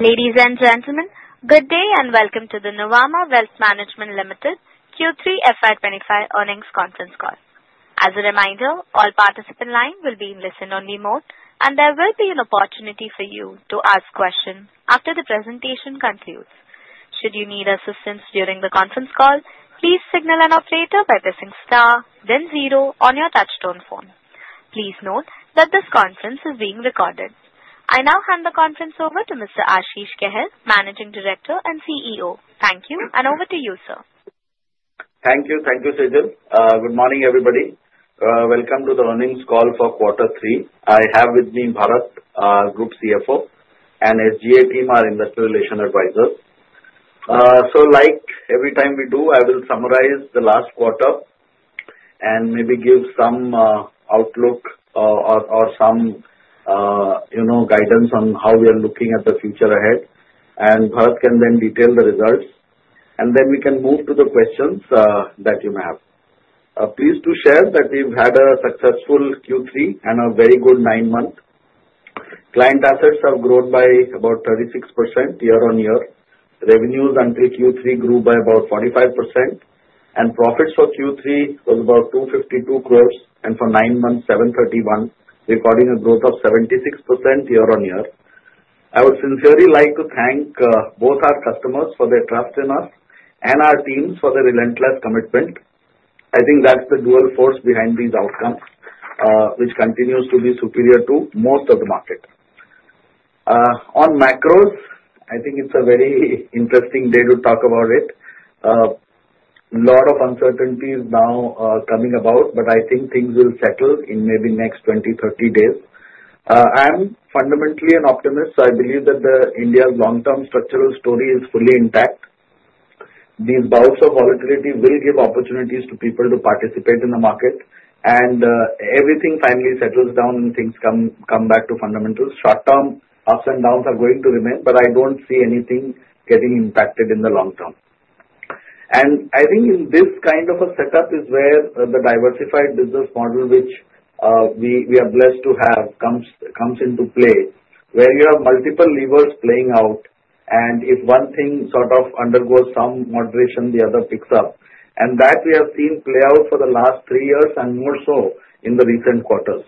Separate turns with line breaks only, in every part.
Ladies and gentlemen, good day and welcome to the Nuvama Wealth Management Limited Q3 FY 2025 Earnings Conference Call. As a reminder, all participants' lines will be in listen-only mode, and there will be an opportunity for you to ask questions after the presentation concludes. Should you need assistance during the conference call, please signal an operator by pressing star, then zero on your touch-tone phone. Please note that this conference is being recorded. I now hand the conference over to Mr. Ashish Kehair, Managing Director and CEO. Thank you, and over to you, sir.
Thank you. Thank you, Sejal. Good morning, everybody. Welcome to the Earnings Call for Q3. I have with me Bharat, Group CFO, and SGA team are Investor Relations Advisors. So, like every time we do, I will summarize the last quarter and maybe give some outlook or some guidance on how we are looking at the future ahead, and Bharat can then detail the results, and then we can move to the questions that you may have. Please do share that we've had a successful Q3 and a very good nine months. Client assets have grown by about 36% year-on-year. Revenues until Q3 grew by about 45%, and profits for Q3 was about 252 crores and for nine months, 731 crores, recording a growth of 76% year-on-year. I would sincerely like to thank both our customers for their trust in us and our teams for their relentless commitment. I think that's the dual force behind these outcomes, which continues to be superior to most of the market. On macros, I think it's a very interesting day to talk about it. A lot of uncertainties now are coming about, but I think things will settle in maybe the next 20, 30 days. I'm fundamentally an optimist, so I believe that India's long-term structural story is fully intact. These bouts of volatility will give opportunities to people to participate in the market, and everything finally settles down and things come back to fundamentals. Short-term ups and downs are going to remain, but I don't see anything getting impacted in the long term. I think in this kind of a setup is where the diversified business model, which we are blessed to have, comes into play, where you have multiple levers playing out, and if one thing sort of undergoes some moderation, the other picks up. And that we have seen play out for the last three years and more so in the recent quarters.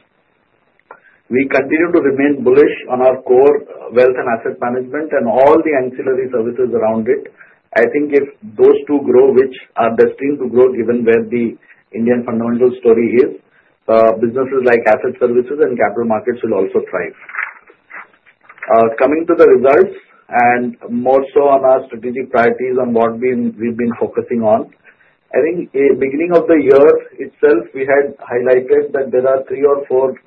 We continue to remain bullish on our core Wealth and asset management and all the ancillary services around it. I think if those two grow, which are destined to grow given where the Indian fundamental story is, businesses like asset services and capital markets will also thrive. Coming to the results and more so on our strategic priorities on what we've been focusing on, I think beginning of the year itself, we had highlighted that there are three or four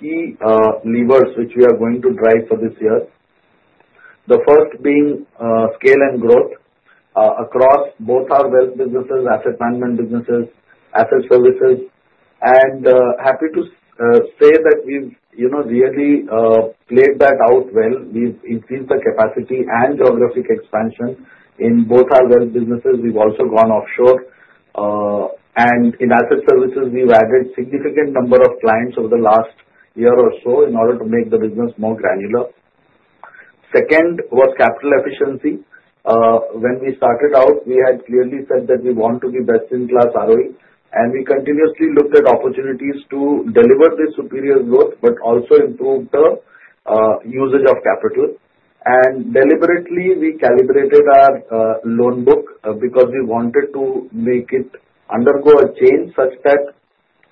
key levers which we are going to drive for this year. The first being scale and growth across both our Wealth businesses, asset management businesses, asset services, and happy to say that we've really played that out well. We've increased the capacity and geographic expansion in both our Wealth businesses. We've also gone offshore, and in asset services, we've added a significant number of clients over the last year or so in order to make the business more granular. Second was capital efficiency. When we started out, we had clearly said that we want to be best-in-class ROE, and we continuously looked at opportunities to deliver this superior growth, but also improve the usage of capital. Deliberately, we calibrated our loan book because we wanted to make it undergo a change such that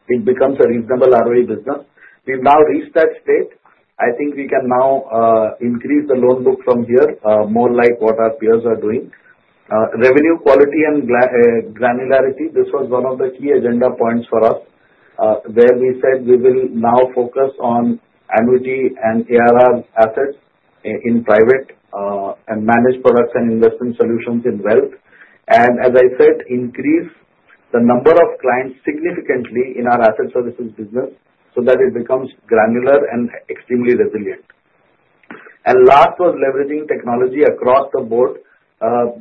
it becomes a reasonable ROE business. We've now reached that state. I think we can now increase the loan book from here, more like what our peers are doing. Revenue quality and granularity, this was one of the key agenda points for us, where we said we will now focus on annuity and ARR assets in private and managed products and investment solutions in Wealth. And as I said, increase the number of clients significantly in our asset services business so that it becomes granular and extremely resilient. Last was leveraging technology across the board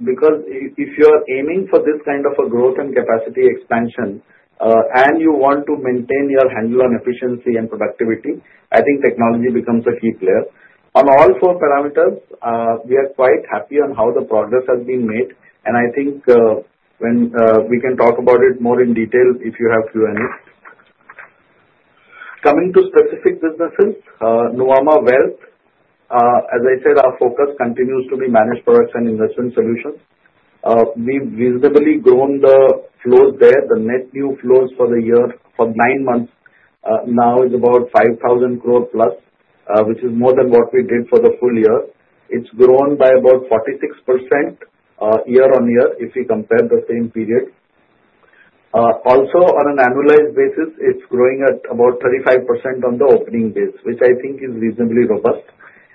because if you're aiming for this kind of a growth and capacity expansion and you want to maintain your handle on efficiency and productivity, I think technology becomes a key player. On all four parameters, we are quite happy on how the progress has been made, and I think we can talk about it more in detail if you have a few minutes. Coming to specific businesses, Nuvama Wealth, as I said, our focus continues to be managed products and investment solutions. We've visibly grown the flows there. The net new flows for the year for nine months now is about 5,000 crore plus, which is more than what we did for the full year. It's grown by about 46% year-on-year if we compare the same period. Also, on an annualized basis, it's growing at about 35% on the opening base, which I think is reasonably robust.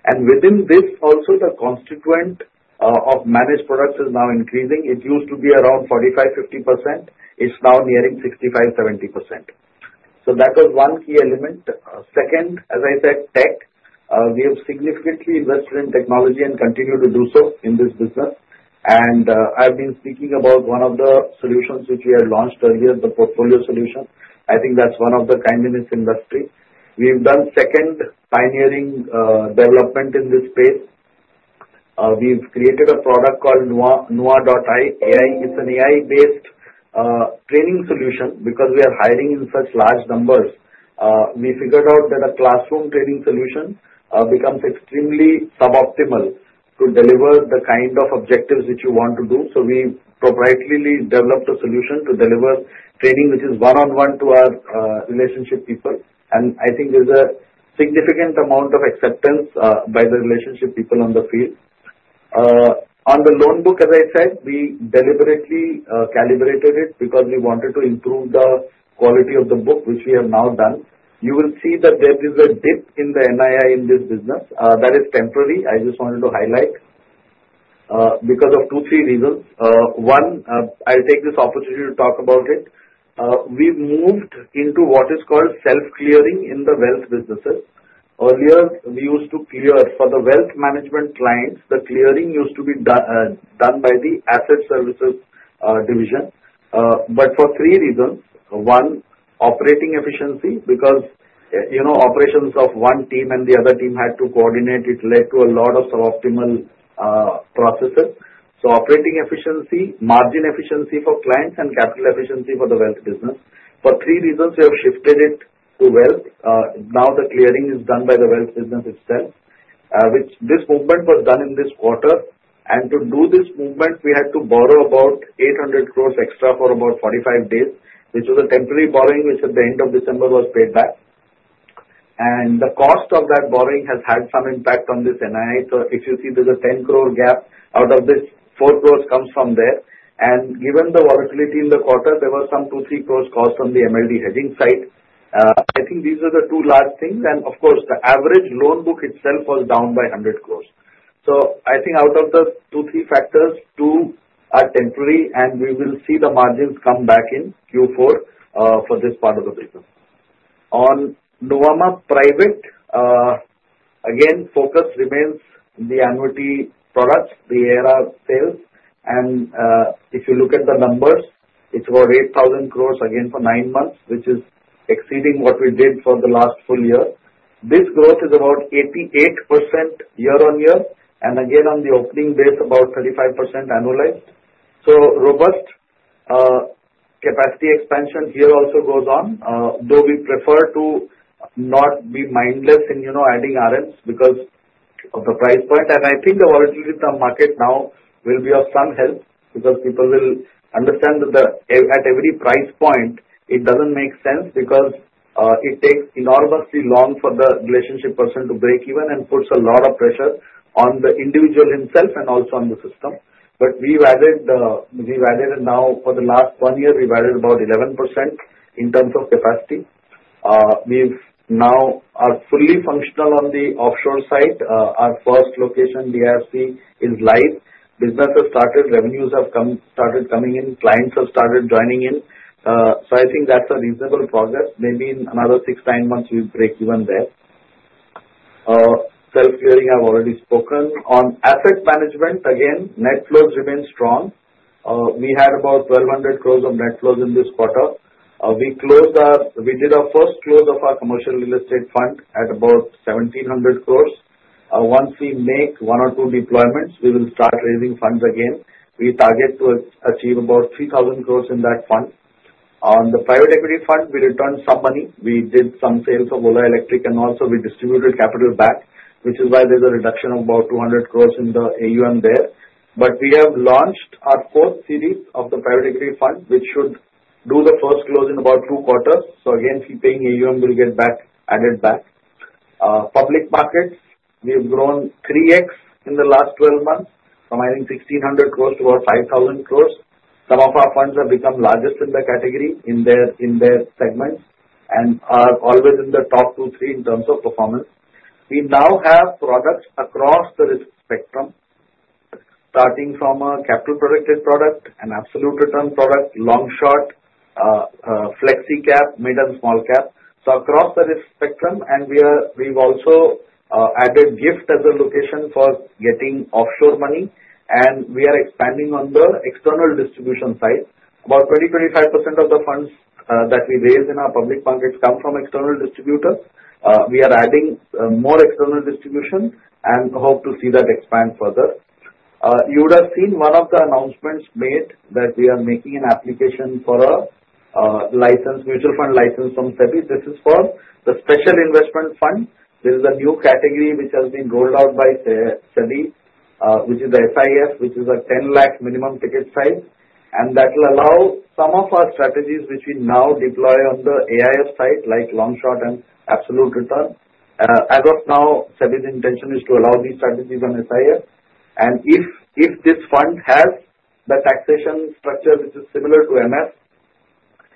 And within this, also, the constituent of managed products is now increasing. It used to be around 45-50%. It's now nearing 65-70%. So that was one key element. Second, as I said, tech. We have significantly invested in technology and continue to do so in this business, and I've been speaking about one of the solutions which we had launched earlier, the portfolio solution. I think that's one of the kind in its industry. We've done second pioneering development in this space. We've created a product called Nuva.ai. It's an AI-based training solution because we are hiring in such large numbers. We figured out that a classroom training solution becomes extremely suboptimal to deliver the kind of objectives which you want to do, so we properly developed a solution to deliver training which is one-on-one to our relationship people, and I think there's a significant amount of acceptance by the relationship people on the field. On the loan book, as I said, we deliberately calibrated it because we wanted to improve the quality of the book, which we have now done. You will see that there is a dip in the NII in this business. That is temporary. I just wanted to highlight because of two, three reasons. One, I'll take this opportunity to talk about it. We've moved into what is called self-clearing in the Wealth businesses. Earlier, we used to clear for the Wealth management clients. The clearing used to be done by the Asset Services division, but for three reasons. One, operating efficiency, because operations of one team and the other team had to coordinate. It led to a lot of suboptimal processes. So operating efficiency, margin efficiency for clients, and capital efficiency for the Wealth business. For three reasons, we have shifted it to Wealth. Now the clearing is done by the Wealth business itself, which this movement was done in this quarter. And to do this movement, we had to borrow about 800 crores extra for about 45 days, which was a temporary borrowing, which at the end of December was paid back. And the cost of that borrowing has had some impact on this NII. So if you see, there's a 10-crore gap out of this 4 crores comes from there. And given the volatility in the quarter, there were some 2-3 crores cost on the MLD hedging side. I think these are the two large things. And of course, the average loan book itself was down by 100 crores. So I think out of the two, three factors, two are temporary, and we will see the margins come back in Q4 for this part of the business. On Nuvama Private, again, focus remains the annuity products, the ARR sales. And if you look at the numbers, it's about 8,000 crores again for nine months, which is exceeding what we did for the last full year. This growth is about 88% year-on-year, and again, on the opening base, about 35% annualized. So robust capacity expansion here also goes on, though we prefer to not be mindless in adding RMs because of the price point. And I think the volatility of the market now will be of some help because people will understand that at every price point, it doesn't make sense because it takes enormously long for the relationship person to break even and puts a lot of pressure on the individual himself and also on the system. But we've added now, for the last one year, we've added about 11% in terms of capacity. We now are fully functional on the offshore side. Our first location, DIFC, is live. Business has started. Revenues have started coming in. Clients have started joining in. So I think that's a reasonable progress. Maybe in another six to nine months, we'll break even there. Self-clearing, I've already spoken. On asset management, again, net flows remain strong. We had about 1,200 crores of net flows in this quarter. We did our first close of our commercial real estate fund at about 1,700 crores. Once we make one or two deployments, we will start raising funds again. We target to achieve about 3,000 crores in that fund. On the private equity fund, we returned some money. We did some sales of Ola Electric, and also we distributed capital back, which is why there's a reduction of about 200 crores in the AUM there. But we have launched our fourth series of the private equity fund, which should do the first close in about two quarters. So again, fee paying AUM, we'll get back added back. Public markets, we have grown 3x in the last 12 months, from 1,600 crores to about 5,000 crores. Some of our funds have become largest in the category in their segments and are always in the top two, three in terms of performance. We now have products across the risk spectrum, starting from a capital-protected product, an absolute return product, Long-Short, flexi cap, mid and small cap. So across the risk spectrum, and we've also added GIFT as a location for getting offshore money, and we are expanding on the external distribution side. About 20-25% of the funds that we raise in our public markets come from external distributors. We are adding more external distribution and hope to see that expand further. You would have seen one of the announcements made that we are making an application for a license, mutual fund license from SEBI. This is for the special investment fund. There is a new category which has been rolled out by SEBI, which is the SIF, which is a 10 lakh minimum ticket size. And that will allow some of our strategies which we now deploy on the AIF side, like long-short and absolute return. As of now, SEBI's intention is to allow these strategies on SIF. And if this fund has the taxation structure which is similar to MF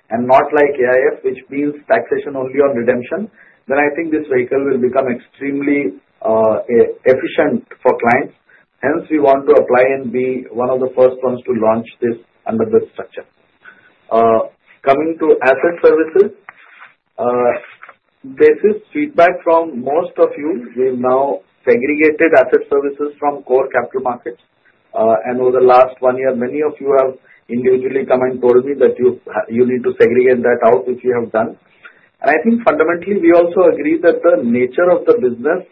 and not like AIF, which means taxation only on redemption, then I think this vehicle will become extremely efficient for clients. Hence, we want to apply and be one of the first ones to launch this under this structure. Coming to Asset Services, this is feedback from most of you. We've now segregated Asset Services from core Capital Markets. And over the last one year, many of you have individually come and told me that you need to segregate that out if you have done. And I think fundamentally, we also agree that the nature of the business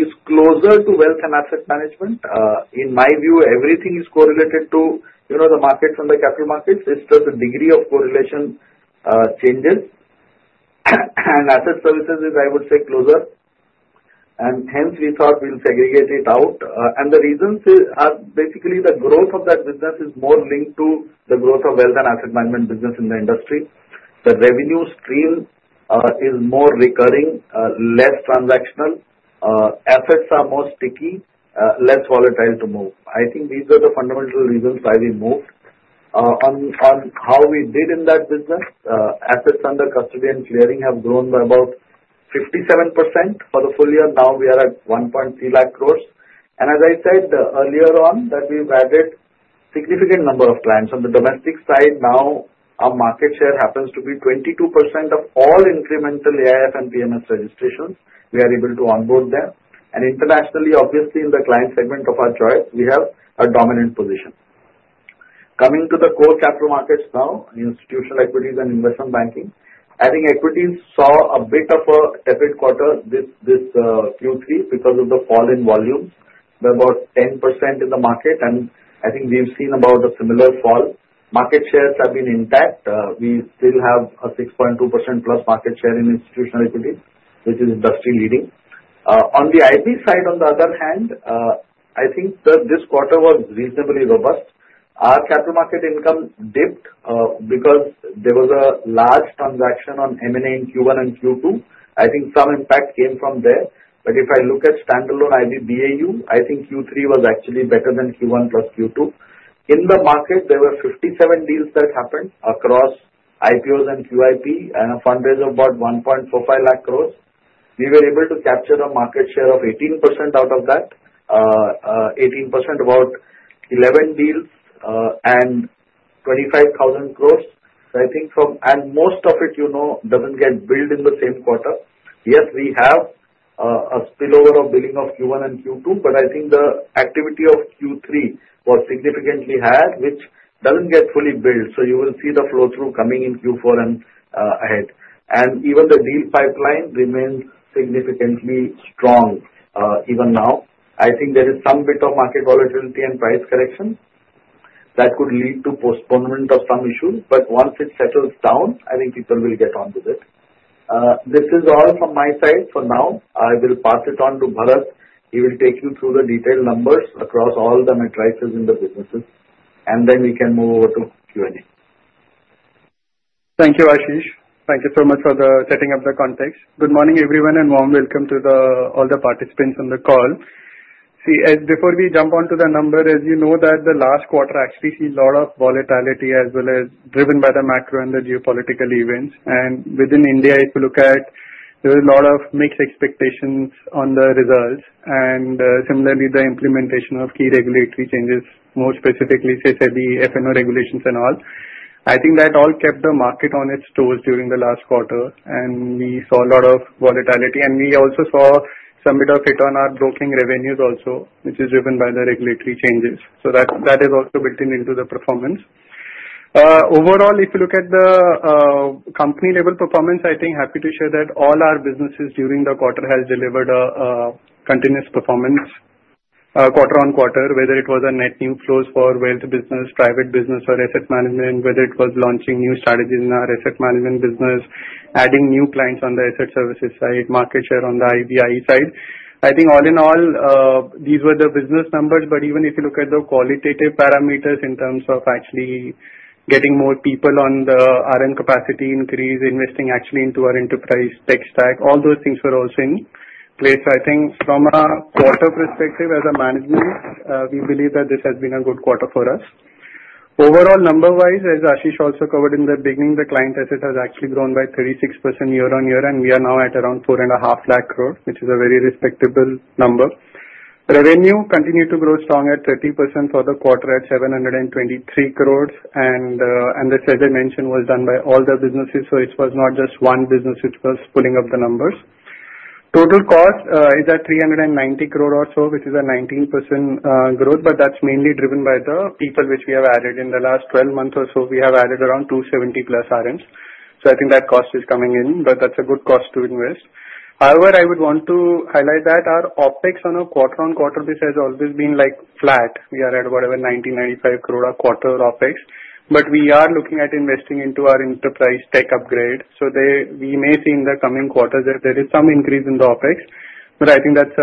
is closer to Wealth and asset management. In my view, everything is correlated to the markets and the Capital Markets. It's just the degree of correlation changes. And Asset Services is, I would say, closer. And hence, we thought we'll segregate it out. And the reasons are basically the growth of that business is more linked to the growth of Wealth and asset management business in the industry. The revenue stream is more recurring, less transactional. Assets are more sticky, less volatile to move. I think these are the fundamental reasons why we moved. On how we did in that business, assets under custody and clearing have grown by about 57% for the full year. Now we are at 1.3 lakh crores, and as I said earlier on, that we've added a significant number of clients. On the domestic side, now our market share happens to be 22% of all incremental AIF and PMS registrations. We are able to onboard them, and internationally, obviously, in the client segment of our choice, we have a dominant position. Coming to the core capital markets now, institutional equities and investment banking, I think equities saw a bit of a tepid quarter this Q3 because of the fall in volumes. We're about 10% in the market, and I think we've seen about a similar fall. Market shares have been intact. We still have a 6.2% plus market share in institutional equities, which is industry-leading. On the IB side, on the other hand, I think this quarter was reasonably robust. Our capital market income dipped because there was a large transaction on M&A in Q1 and Q2. I think some impact came from there. But if I look at standalone IB BAU, I think Q3 was actually better than Q1 plus Q2. In the market, there were 57 deals that happened across IPOs and QIP and a fundraiser of about 1.45 lakh crores. We were able to capture a market share of 18% out of that, 18% about 11 deals and 25,000 crores. So I think from, and most of it doesn't get billed in the same quarter. Yes, we have a spillover of billing of Q1 and Q2, but I think the activity of Q3 was significantly higher, which doesn't get fully billed, so you will see the flow-through coming in Q4 and ahead, and even the deal pipeline remains significantly strong even now. I think there is some bit of market volatility and price correction that could lead to postponement of some issues, but once it settles down, I think people will get on with it. This is all from my side for now. I will pass it on to Bharat. He will take you through the detailed numbers across all the metrics in the businesses, and then we can move over to Q&A.
Thank you, Ashish. Thank you so much for setting up the context. Good morning, everyone, and a warm welcome to all the participants on the call. See, before we jump onto the number, as you know, the last quarter actually sees a lot of volatility as well as driven by the macro and the geopolitical events. And within India, if you look at, there were a lot of mixed expectations on the results. And similarly, the implementation of key regulatory changes, more specifically SEBI, F&O regulations and all. I think that all kept the market on its toes during the last quarter. And we saw a lot of volatility. And we also saw some bit of hit on our broking revenues also, which is driven by the regulatory changes. So that is also built into the performance. Overall, if you look at the company-level performance, I think I'm happy to share that all our businesses during the quarter have delivered a continuous performance quarter on quarter, whether it was a net new flows for Wealth business, private business, or asset management, whether it was launching new strategies in our asset management business, adding new clients on the asset services side, market share on the IBI side. I think all in all, these were the business numbers. But even if you look at the qualitative parameters in terms of actually getting more people on the RM capacity increase, investing actually into our enterprise tech stack, all those things were also in place. So I think from a quarter perspective, as a management, we believe that this has been a good quarter for us. Overall, number-wise, as Ashish also covered in the beginning, the client assets have actually grown by 36% year-on-year, and we are now at arounde 4.5 lakh crore, which is a very respectable number. Revenue continued to grow strong at 30% for the quarter at 723 crores, and this, as I mentioned, was done by all the businesses, so it was not just one business which was pulling up the numbers. Total cost is at 390 crore or so, which is a 19% growth, but that's mainly driven by the people which we have added in the last 12 months or so. We have added around 270 plus RMs. So I think that cost is coming in, but that's a good cost to invest. However, I would want to highlight that our OPEX on a quarter-on-quarter basis has always been flat. We are at whatever 90, 95 crore a quarter OPEX. But we are looking at investing into our enterprise tech upgrade. So we may see in the coming quarters that there is some increase in the OpEx. But I think that's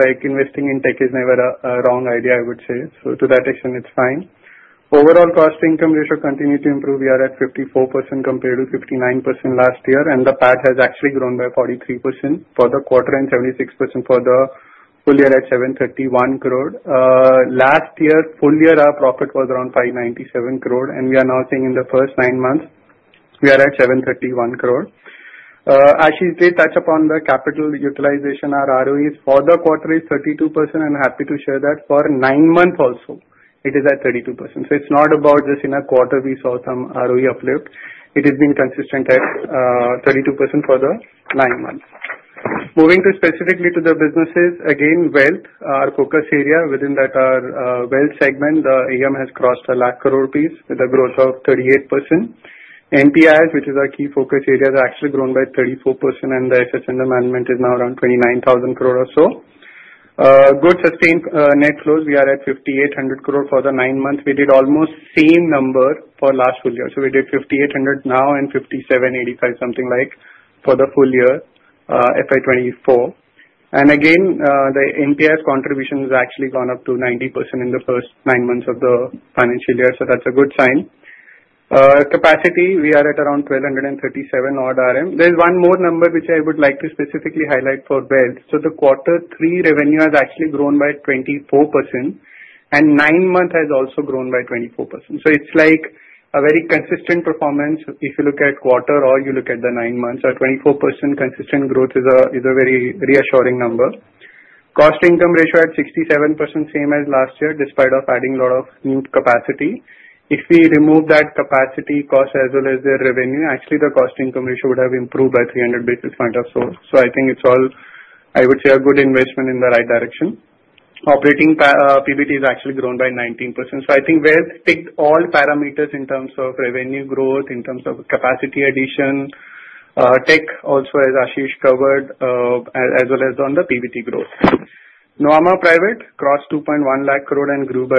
like investing in tech is never a wrong idea, I would say. So to that extent, it's fine. Overall cost income, we should continue to improve. We are at 54% compared to 59% last year. And the PAT has actually grown by 43% for the quarter and 76% for the full year at 731 crore. Last year, full year, our profit was around 597 crore. And we are now seeing in the first nine months, we are at 731 crore. Ashish did touch upon the capital utilization. Our ROEs for the quarter is 32%. I'm happy to share that for nine months also, it is at 32%. It's not about just in a quarter we saw some ROE uplift. It has been consistent at 32% for the nine months. Moving specifically to the businesses, again, Wealth, our focus area within that, our Wealth segment, the AUM has crossed 1 lakh crore with a growth of 38%. MPIS, which is our key focus area, have actually grown by 34%. And the assets under management is now around 29,000 crore or so. Good sustained net flows. We are at 5,800 crore for the nine months. We did almost same number for last full year. So we did 5,800 now and 5,785, something like for the full year, FY 2024. And again, the MPIS contribution has actually gone up to 90% in the first nine months of the financial year. So that's a good sign. Capacity, we are at around 1,237 odd RM. There's one more number which I would like to specifically highlight for Wealth. So the quarter three revenue has actually grown by 24%. And nine months has also grown by 24%. So it's like a very consistent performance. If you look at quarter or you look at the nine months, a 24% consistent growth is a very reassuring number. Cost income ratio at 67%, same as last year, despite adding a lot of new capacity. If we remove that capacity cost as well as the revenue, actually the cost income ratio would have improved by 300 basis points or so. So I think it's all, I would say, a good investment in the right direction. Operating PBT has actually grown by 19%. So I think Wealth ticked all parameters in terms of revenue growth, in terms of capacity addition. Tech also, as Ashish covered, as well as on the PBT growth. Nuvama Private crossed 2.1 lakh crore and grew by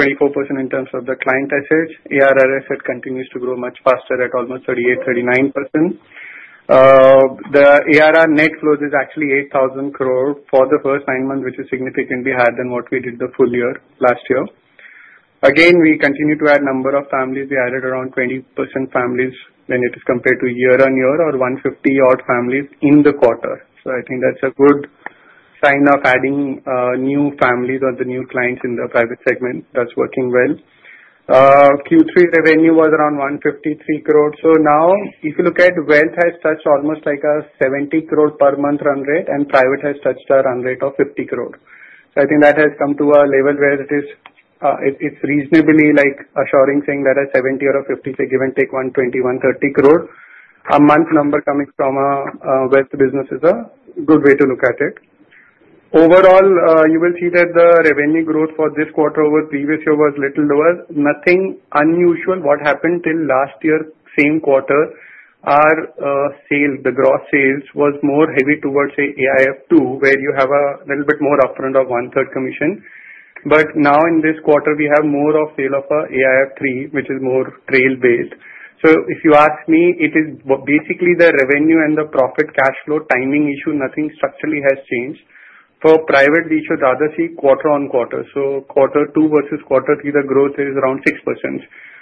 24% in terms of the client assets. ARR asset continues to grow much faster at almost 38%-39%. The ARR net flows is actually 8,000 crore for the first nine months, which is significantly higher than what we did the full year last year. Again, we continue to add number of families. We added around 20% families when it is compared to year-on-year or 150-odd families in the quarter. So I think that's a good sign of adding new families or the new clients in the private segment. That's working well. Q3 revenue was around 153 crore. So now, if you look at Wealth, has touched almost like a 70 crore per month run rate, and private has touched a run rate of 50 crore. So I think that has come to a level where it is reasonably assuring, saying that a 70 or a 50, give or take 120-130 crore, a month number coming from a Wealth business is a good way to look at it. Overall, you will see that the revenue growth for this quarter over previous year was a little lower. Nothing unusual. What happened till last year, same quarter, our sales, the gross sales was more heavy towards AIF II, where you have a little bit more upfront of one-third commission. But now in this quarter, we have more of sale of AIF III, which is more trail-based. So if you ask me, it is basically the revenue and the profit cash flow timing issue. Nothing structurally has changed. For private, we should rather see quarter-on-quarter. So quarter two versus quarter three, the growth is around 6%.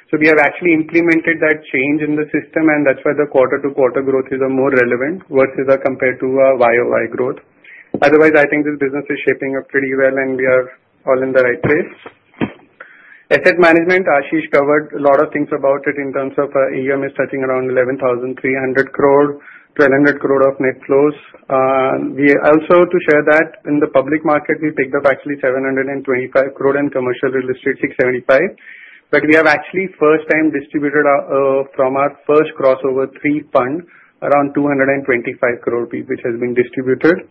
So we have actually implemented that change in the system, and that's why the quarter-to-quarter growth is more relevant versus compared to a YoY growth. Otherwise, I think this business is shaping up pretty well, and we are all in the right place. Asset management, Ashish covered a lot of things about it in terms of AM is touching around 11,300 crore, 1,200 crore of net flows. Also, to share that in the public market, we picked up actually 725 crore and commercial real estate 675 crore. But we have actually first-time distributed from our first Crossover III Fund around 225 crore rupees, which has been distributed.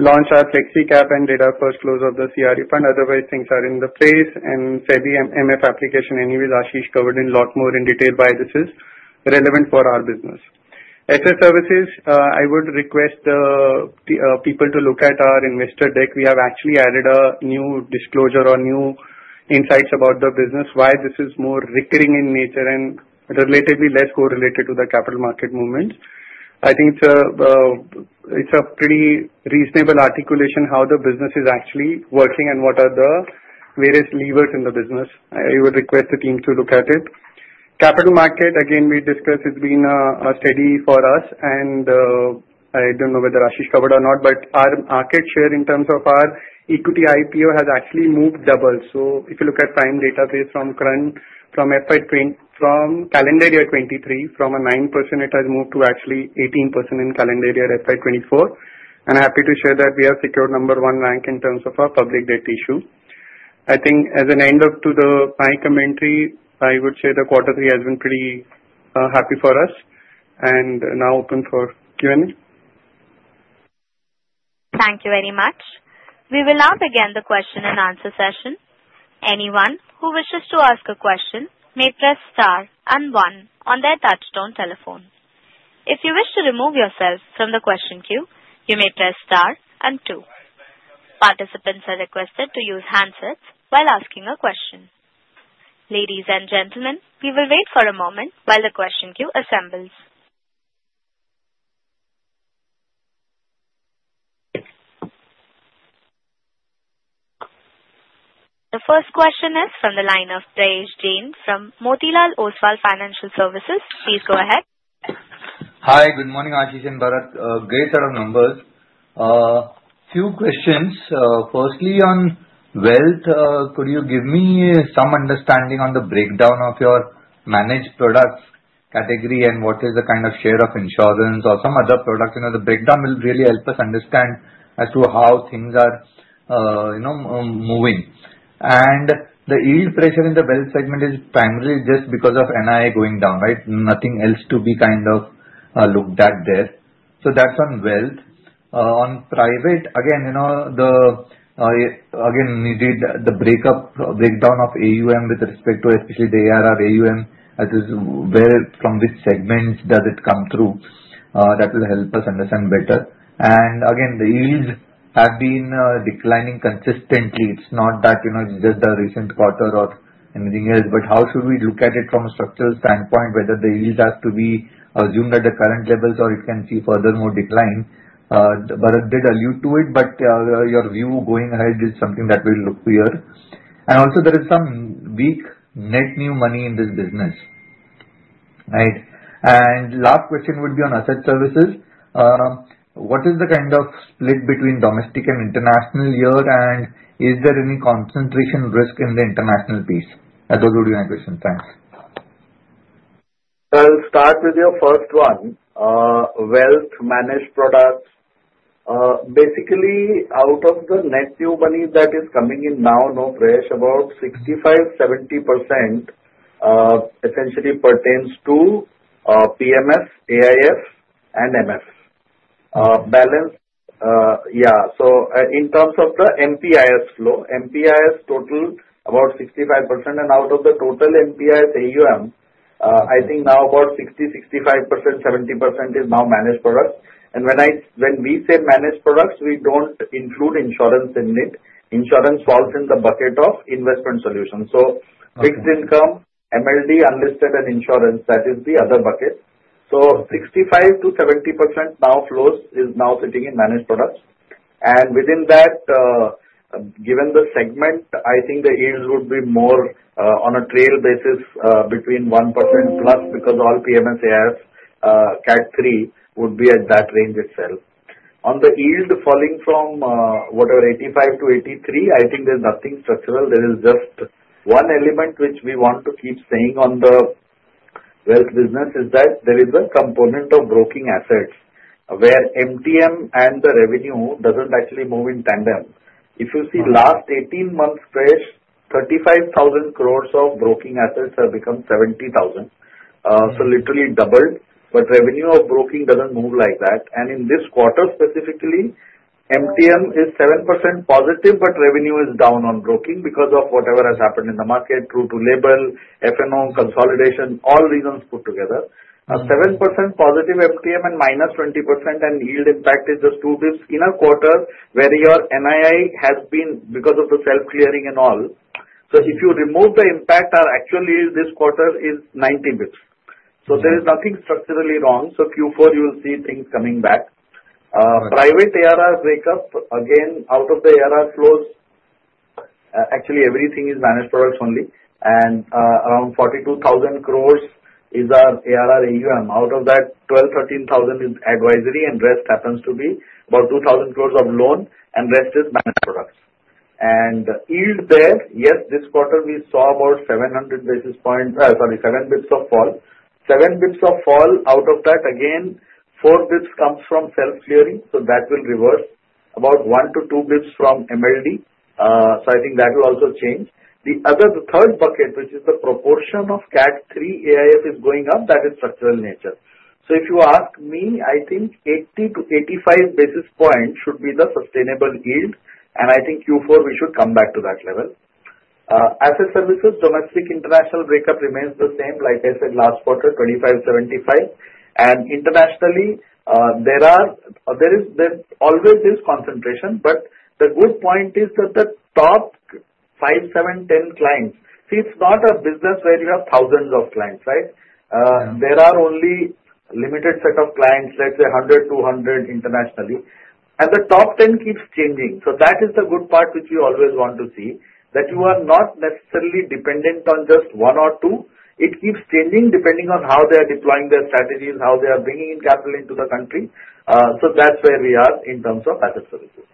Launched our flexi cap and did our first close of the CRE fund. Otherwise, things are in place. SEBI MF application anyways, Ashish covered in a lot more in detail why this is relevant for our business. Asset Services, I would request the people to look at our investor deck. We have actually added a new disclosure or new insights about the business, why this is more recurring in nature and relatively less correlated to the Capital Markets movements. I think it's a pretty reasonable articulation how the business is actually working and what are the various levers in the business. I would request the team to look at it. Capital Markets, again, we discussed it's been steady for us. And I don't know whether Ashish covered or not, but our market share in terms of our equity IPO has actually moved double. So if you look at Prime Database from calendar year 2023, from a 9%, it has moved to actually 18% in calendar year FY 2024. And I'm happy to share that we have secured number one rank in terms of our public debt issue. I think as an end to my commentary, I would say the quarter three has been pretty happy for us. And now open for Q&A.
Thank you very much. We will now begin the question and answer session. Anyone who wishes to ask a question may press star and one on their touch-tone telephone. If you wish to remove yourself from the question queue, you may press star and two. Participants are requested to use handsets while asking a question. Ladies and gentlemen, we will wait for a moment while the question queue assembles. The first question is from the line of Prayesh Jain from Motilal Oswal Financial Services. Please go ahead.
Hi, good morning, Ashish and Bharat. Great set of numbers. Few questions. Firstly, on Wealth, could you give me some understanding on the breakdown of your managed products category and what is the kind of share of insurance or some other product? The breakdown will really help us understand as to how things are moving. And the yield pressure in the Wealth segment is primarily just because of NII going down, right? Nothing else to be kind of looked at there. So that's on Wealth. On private, again, the needed breakdown of AUM with respect to especially the ARR AUM, that is where from which segments does it come through. That will help us understand better. And again, the yields have been declining consistently. It's not that it's just the recent quarter or anything else. But how should we look at it from a structural standpoint? Whether the yields have to be assumed at the current levels or it can see further more decline? Bharat did allude to it, but your view going ahead is something that will look clear. Also, there is some weak net new money in this business, right? Last question would be on Asset Services. What is the kind of split between domestic and international year, and is there any concentration risk in the international piece? Those would be my questions. Thanks.
I'll start with your first one. Wealth, managed products. Basically, out of the net new money that is coming in now, Prayesh, about 65%-70% essentially pertains to PMF, AIF, and MF. Balance, yeah. So in terms of the MPIS flow, MPIS total about 65%. And out of the total MPIS AUM, I think now about 60%-70% is now managed products. And when we say managed products, we don't include insurance in it. Insurance falls in the bucket of investment solutions. So fixed income, MLD, unlisted, and insurance, that is the other bucket. So 65%-70% now flows is now sitting in managed products. And within that, given the segment, I think the yields would be more on a trail basis between 1% plus because all PMF, AIF, CAT3 would be at that range itself. On the yield falling from whatever 85 to 83, I think there's nothing structural. There is just one element which we want to keep saying on the Wealth business is that there is a component of broking assets where MTM and the revenue doesn't actually move in tandem. If you see last 18 months, Prayesh, 35,000 crores of broking assets have become 70,000. So literally doubled. But revenue of broking doesn't move like that. And in this quarter specifically, MTM is 7% positive, but revenue is down on broking because of whatever has happened in the market, true to label, FNO, consolidation, all reasons put together. Now, 7% positive MTM and minus 20%, and yield impact is just two basis points in a quarter where your NII has been because of the self-clearing and all. So if you remove the impact, our actual yield this quarter is 90 basis points. There is nothing structurally wrong. Q4, you will see things coming back. Private ARR breakup, again, out of the ARR flows, actually everything is managed products only. And around 42,000 crores is our ARR AUM. Out of that, 12,000-13,000 is advisory, and rest happens to be about 2,000 crores of loan, and rest is managed products. And yield there, yes, this quarter we saw about 700 basis points, sorry, 7 basis points of fall. 7 basis points of fall. Out of that, again, 4 basis points comes from self-clearing. So that will reverse about 1 to 2 basis points from MLD. So I think that will also change. The third bucket, which is the proportion of CAT3 AIF is going up, that is structural nature. So if you ask me, I think 80 to 85 basis points should be the sustainable yield. I think Q4 we should come back to that level. Asset Services, domestic international breakup remains the same, like I said last quarter, 25, 75. Internationally, there is always this concentration, but the good point is that the top five, seven, 10 clients, see, it's not a business where you have thousands of clients, right? There are only limited set of clients, let's say 100, 200 internationally. The top 10 keeps changing. That is the good part which we always want to see, that you are not necessarily dependent on just one or two. It keeps changing depending on how they are deploying their strategies, how they are bringing in capital into the country. That's where we are in terms of Asset Services.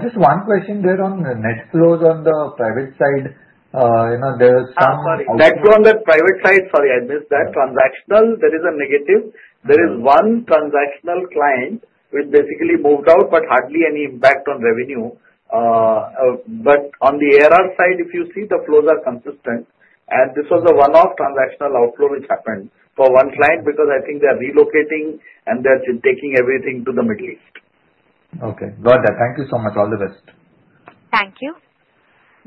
Just one question there on the net flows on the private side. There are some.
I'm sorry. Net flow on the private side, sorry, I missed that. Transactional, there is a negative. There is one transactional client which basically moved out, but hardly any impact on revenue, but on the ARR side, if you see, the flows are consistent, and this was a one-off transactional outflow which happened for one client because I think they are relocating and they are taking everything to the Middle East.
Okay. Got that. Thank you so much. All the best.
Thank you.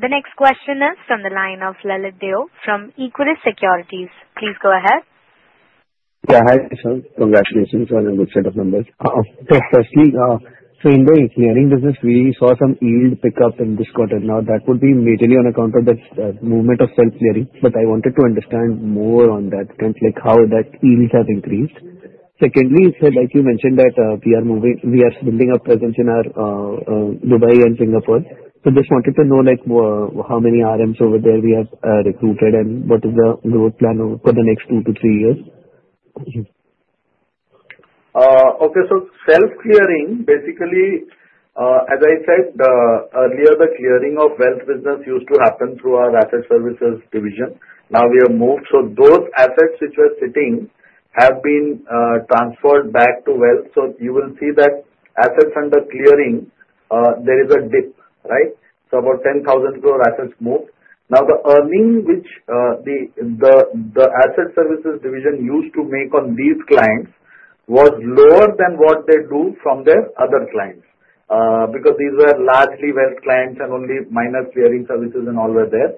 The next question is from the line of Lalit Deo from Equirus Securities. Please go ahead.
Yeah, hi, Ashish. Congratulations on a good set of numbers. So firstly, so in the clearing business, we saw some yield pickup in this quarter. Now, that would be mainly on account of the movement of self-clearing. But I wanted to understand more on that, how that yields have increased. Secondly, like you mentioned, that we are building a presence in Dubai and Singapore. So just wanted to know how many RMs over there we have recruited and what is the growth plan for the next two to three years.
Okay. So self-clearing, basically, as I said earlier, the clearing of Wealth business used to happen through our Asset Services division. Now we have moved. So those assets which were sitting have been transferred back to Wealth. So you will see that assets under clearing, there is a dip, right? So about 10,000 crore assets moved. Now, the earning which the Asset Services division used to make on these clients was lower than what they do from their other clients because these were largely Wealth clients and only minor clearing services and all were there.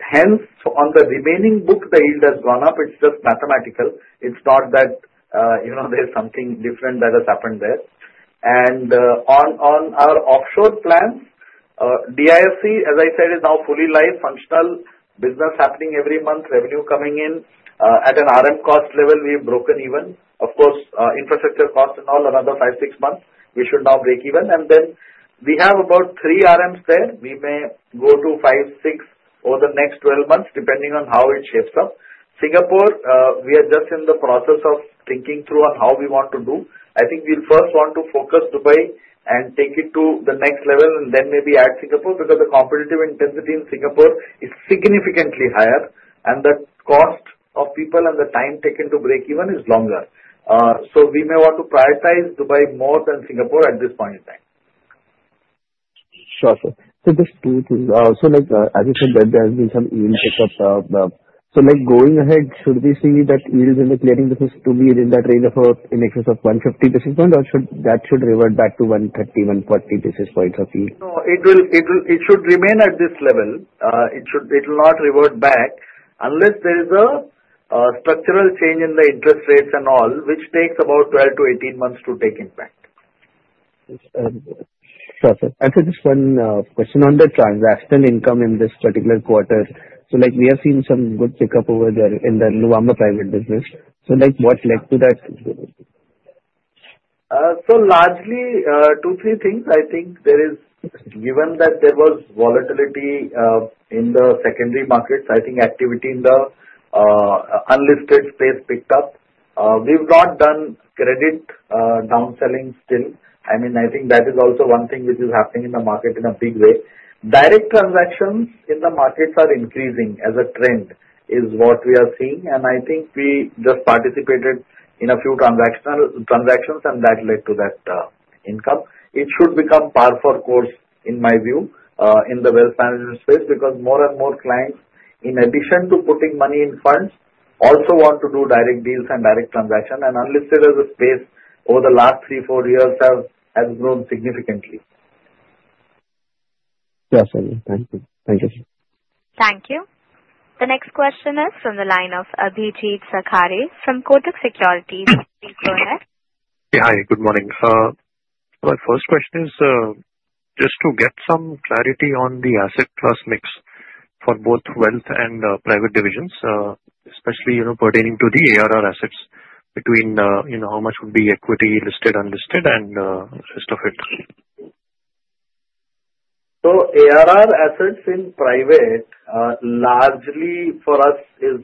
Hence, on the remaining book, the yield has gone up. It's just mathematical. It's not that there's something different that has happened there. And on our offshore plans, DIFC, as I said, is now fully live, functional business happening every month, revenue coming in. At an RM cost level, we have broken even. Of course, infrastructure costs and all, in another five, six months, we should now break even, and then we have about three RMs there. We may go to five, six over the next 12 months, depending on how it shapes up. Singapore, we are just in the process of thinking through on how we want to do. I think we'll first want to focus on Dubai and take it to the next level and then maybe add Singapore because the competitive intensity in Singapore is significantly higher, and the cost of people and the time taken to break even is longer. So we may want to prioritize Dubai more than Singapore at this point in time.
Sure, sir. So just two things. So as you said, there has been some yield pickup. So going ahead, should we see that yield in the clearing business to be in that range of in excess of 150 basis points, or that should revert back to 130-140 basis points of yield?
No, it should remain at this level. It will not revert back unless there is a structural change in the interest rates and all, which takes about 12-18 months to take impact.
Sure, sir. And so just one question on the transactional income in this particular quarter. So we have seen some good pickup over there in the Nuvama Private Business. So what led to that?
Largely, two, three things. I think there is, given that there was volatility in the secondary markets, I think activity in the unlisted space picked up. We've not done credit downselling still. I mean, I think that is also one thing which is happening in the market in a big way. Direct transactions in the markets are increasing as a trend is what we are seeing. And I think we just participated in a few transactions, and that led to that income. It should become par for the course, in my view, in the Wealth management space because more and more clients, in addition to putting money in funds, also want to do direct deals and direct transactions. And unlisted as a space over the last three, four years has grown significantly.
Yes, sir. Thank you. Thank you.
Thank you. The next question is from the line of Abhijit Sakhare from Kotak Securities. Please go ahead. Yeah, hi. Good morning. My first question is just to get some clarity on the asset class mix for both Wealth and Private divisions, especially pertaining to the ARR assets between how much would be equity, listed, unlisted, and the rest of it?
So, ARR assets in private largely for us is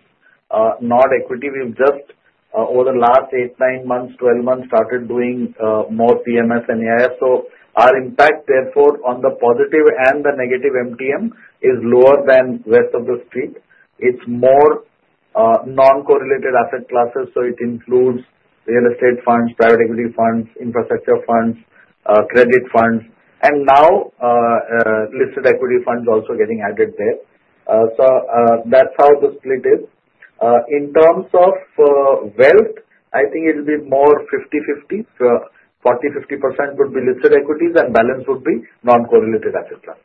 not equity. We've just, over the last eight, nine months, 12 months, started doing more PMS and AIF. So our impact, therefore, on the positive and the negative MTM is lower than rest of the street. It's more non-correlated asset classes. So it includes real estate funds, private equity funds, infrastructure funds, credit funds. And now, listed equity funds also getting added there. So that's how the split is. In terms of Wealth, I think it'll be more 50/50. 40%-50% would be listed equities, and balance would be non-correlated asset class.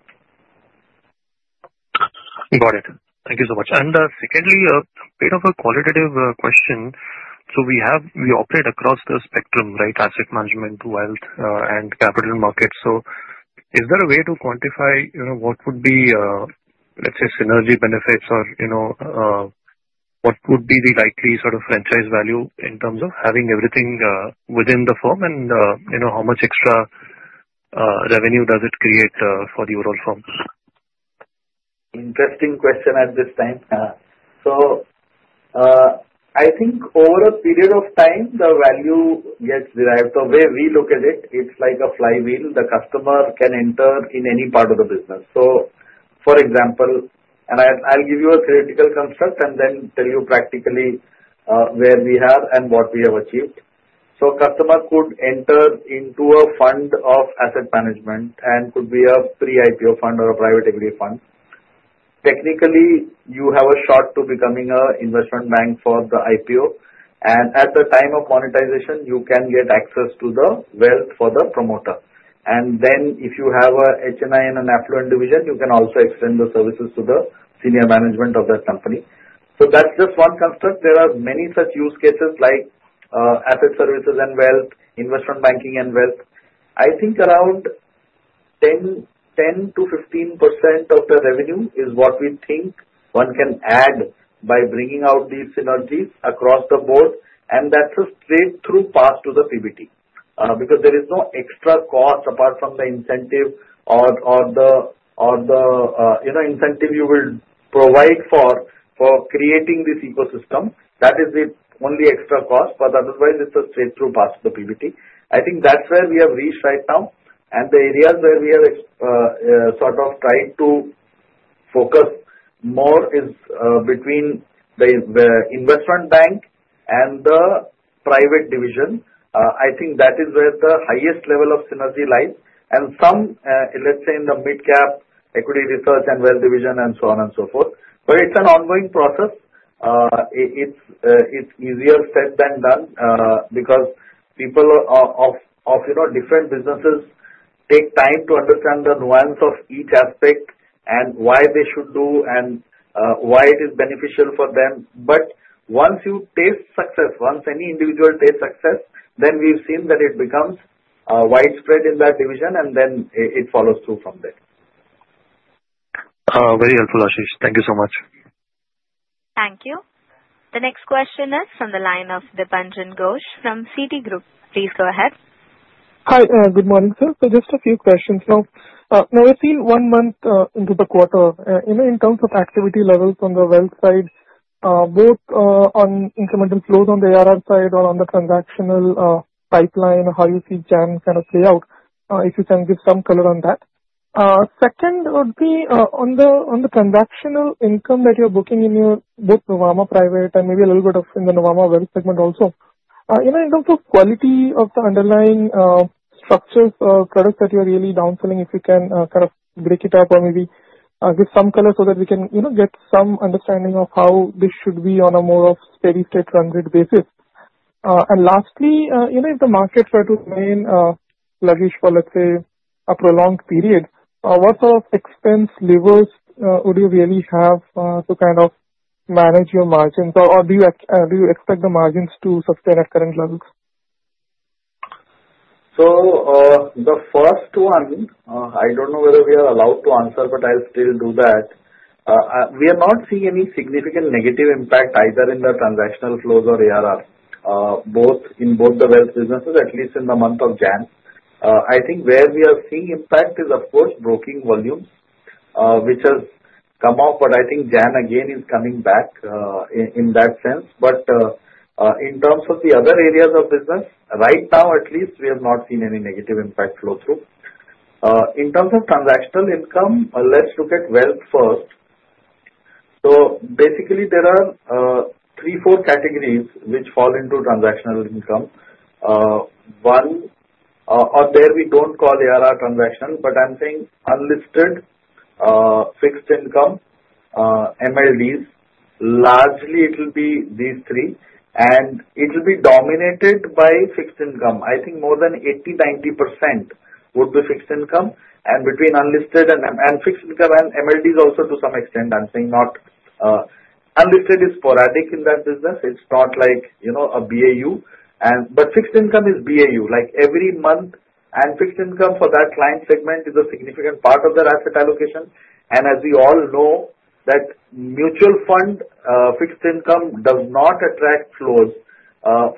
Got it. Thank you so much. And secondly, a bit of a qualitative question. So we operate across the spectrum, right? Asset management, Wealth, and capital markets. So is there a way to quantify what would be, let's say, synergy benefits or what would be the likely sort of franchise value in terms of having everything within the firm and how much extra revenue does it create for the overall firm? Interesting question at this time. So I think over a period of time, the value gets derived. The way we look at it, it's like a flywheel. The customer can enter in any part of the business. So for example, and I'll give you a theoretical construct and then tell you practically where we are and what we have achieved. So a customer could enter into a fund of asset management and could be a pre-IPO fund or a private equity fund. Technically, you have a shot to becoming an investment bank for the IPO. And at the time of monetization, you can get access to the Wealth for the promoter. And then if you have an HNI and an affluent division, you can also extend the services to the senior management of that company. So that's just one construct. There are many such use cases like Asset Services and Wealth, Investment Banking and Wealth. I think around 10%-15% of the revenue is what we think one can add by bringing out these synergies across the board. That's a straight-through pass to the PBT because there is no extra cost apart from the incentive or the incentive you will provide for creating this ecosystem. That is the only extra cost. Otherwise, it's a straight-through pass to the PBT. I think that's where we have reached right now. The areas where we have sort of tried to focus more are between the investment bank and the Private division. I think that is where the highest level of synergy lies. Some, let's say, in the mid-cap equity research and Wealth division and so on and so forth. It's an ongoing process. It's easier said than done because people of different businesses take time to understand the nuance of each aspect and why they should do and why it is beneficial for them. But once you taste success, once any individual tastes success, then we've seen that it becomes widespread in that division, and then it follows through from there. Very helpful, Ashish. Thank you so much.
Thank you. The next question is from the line of Dipanjan Ghosh from Citi. Please go ahead.
Hi. Good morning, sir. So just a few questions. Now, we've seen one month into the quarter. In terms of activity levels on the Wealth side, both on incremental flows on the ARR side or on the transactional pipeline, how you see Jan kind of play out, if you can give some color on that? Second would be on the transactional income that you're booking in both Nuvama Private and maybe a little bit of in the Nuvama Wealth segment also. In terms of quality of the underlying structures or products that you're really downselling, if you can kind of break it up or maybe give some color so that we can get some understanding of how this should be on a more of steady-state run rate basis? Lastly, if the markets were to remain sluggish for, let's say, a prolonged period, what sort of expense levers would you really have to kind of manage your margins? Or do you expect the margins to sustain at current levels?
So the first one, I don't know whether we are allowed to answer, but I'll still do that. We are not seeing any significant negative impact either in the transactional flows or ARR, both in both the Wealth businesses, at least in the month of Jan. I think where we are seeing impact is, of course, broking volume, which has come up. But I think Jan, again, is coming back in that sense. But in terms of the other areas of business, right now, at least, we have not seen any negative impact flow-through. In terms of transactional income, let's look at Wealth first. So basically, there are three, four categories which fall into transactional income. One, or there we don't call ARR transactional, but I'm saying unlisted, fixed income, MLDs. Largely, it'll be these three. And it'll be dominated by fixed income. I think more than 80%-90% would be fixed income, and between unlisted and fixed income and MLDs also to some extent, I'm saying unlisted is sporadic in that business. It's not like a BAU, but fixed income is BAU. Every month, fixed income for that client segment is a significant part of their asset allocation, and as we all know, that mutual fund fixed income does not attract flows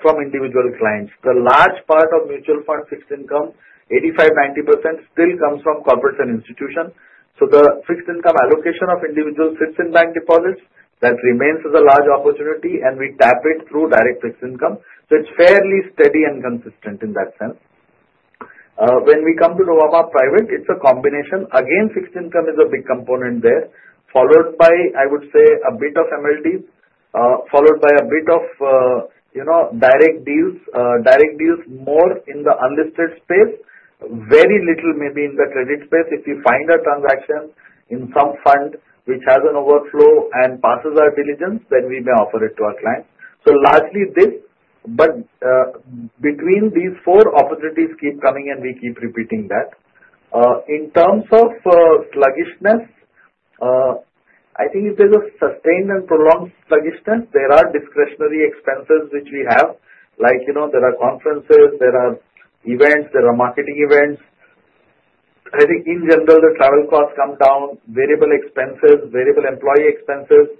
from individual clients. The large part of mutual fund fixed income, 85%-90%, still comes from corporates and institutions, so the fixed income allocation of individuals sits in bank deposits. That remains as a large opportunity, and we tap it through direct fixed income, so it's fairly steady and consistent in that sense. When we come to Nuvama Private, it's a combination. Again, fixed income is a big component there, followed by, I would say, a bit of MLDs, followed by a bit of direct deals, direct deals more in the unlisted space, very little maybe in the credit space. If we find a transaction in some fund which has an overflow and passes our diligence, then we may offer it to our clients. So largely this. But between these four, opportunities keep coming, and we keep repeating that. In terms of sluggishness, I think if there's a sustained and prolonged sluggishness, there are discretionary expenses which we have. There are conferences. There are events. There are marketing events. I think in general, the travel costs come down, variable expenses, variable employee expenses.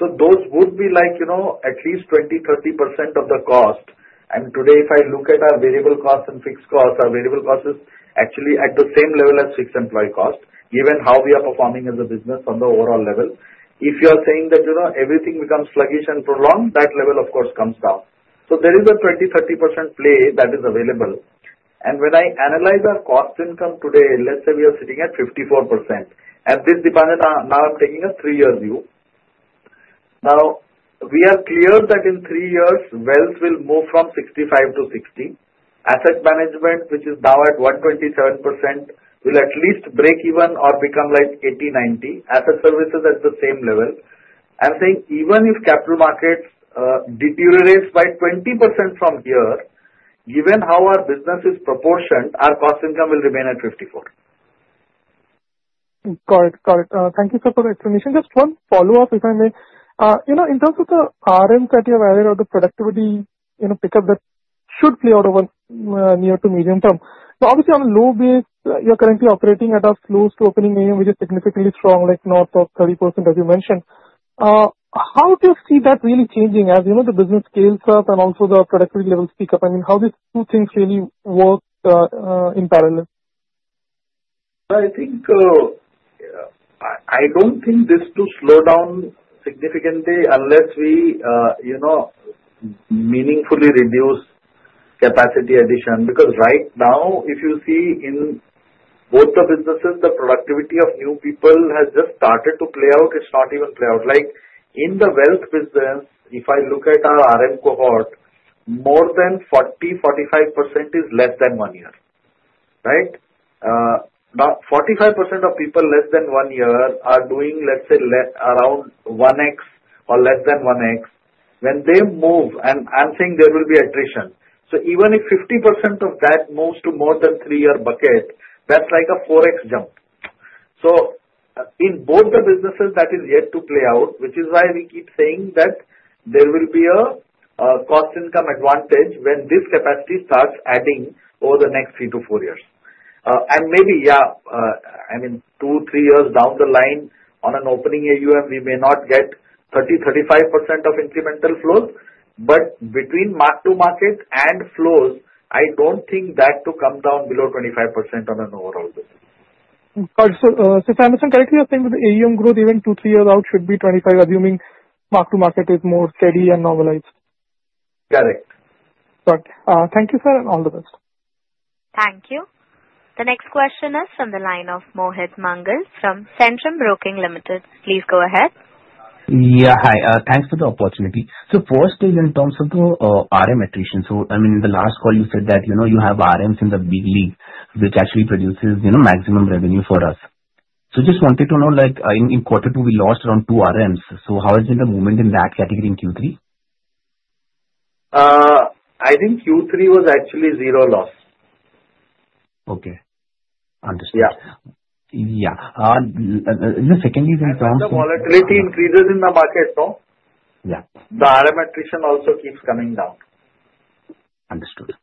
So those would be at least 20%-30% of the cost. Today, if I look at our variable costs and fixed costs, our variable costs is actually at the same level as fixed employee cost, given how we are performing as a business on the overall level. If you are saying that everything becomes sluggish and prolonged, that level, of course, comes down. There is a 20%-30% play that is available. When I analyze our cost income today, let's say we are sitting at 54%. This depends on now I'm taking a three-year view. Now, we are clear that in three years, Wealth will move from 65% to 60%. Asset management, which is now at 127%, will at least break even or become like 80%-90%. Asset services at the same level. I'm saying even if Capital Markets deteriorate by 20% from here, given how our business is proportioned, our cost income will remain at 54%.
Got it. Got it. Thank you so much for the explanation. Just one follow-up, if I may. In terms of the RMs that you have added or the productivity pickup that should play out over near to medium term, obviously, on a low base, you're currently operating at a low AUM, which is significantly strong, like north of 30%, as you mentioned. How do you see that really changing as the business scales up and also the productivity levels peak up? I mean, how do these two things really work in parallel?
I don't think this will slow down significantly unless we meaningfully reduce capacity addition. Because right now, if you see in both the businesses, the productivity of new people has just started to play out. It's not even played out. In the Wealth business, if I look at our RM cohort, more than 40%-45% is less than one year. Right? Now, 45% of people less than one year are doing, let's say, around 1x or less than 1x. When they move, and I'm saying there will be attrition. So even if 50% of that moves to more than three-year bucket, that's like a 4x jump. So in both the businesses, that is yet to play out, which is why we keep saying that there will be a cost income advantage when this capacity starts adding over the next three to four years. Maybe, yeah, I mean, two, three years down the line on an opening AUM, we may not get 30%-35% of incremental flows. But between mark-to-market and flows, I don't think that to come down below 25% on an overall business.
Got it. So if I understand correctly, you're saying that the AUM growth even two, three years out should be 25, assuming mark-to-market is more steady and normalized?
Correct.
Got it. Thank you, sir, and all the best.
Thank you. The next question is from the line of Mohit Mangal from Centrum Broking Limited. Please go ahead. Yeah. Hi. Thanks for the opportunity. So first is in terms of the RM attrition. So I mean, in the last call, you said that you have RMs in the big league, which actually produces maximum revenue for us. So just wanted to know, in quarter two, we lost around two RMs. So how has been the movement in that category in Q3?
I think Q3 was actually zero loss. Okay. Understood. Yeah. Yeah. The second is in terms of. The volatility increases in the market, so the RM attrition also keeps coming down. Understood.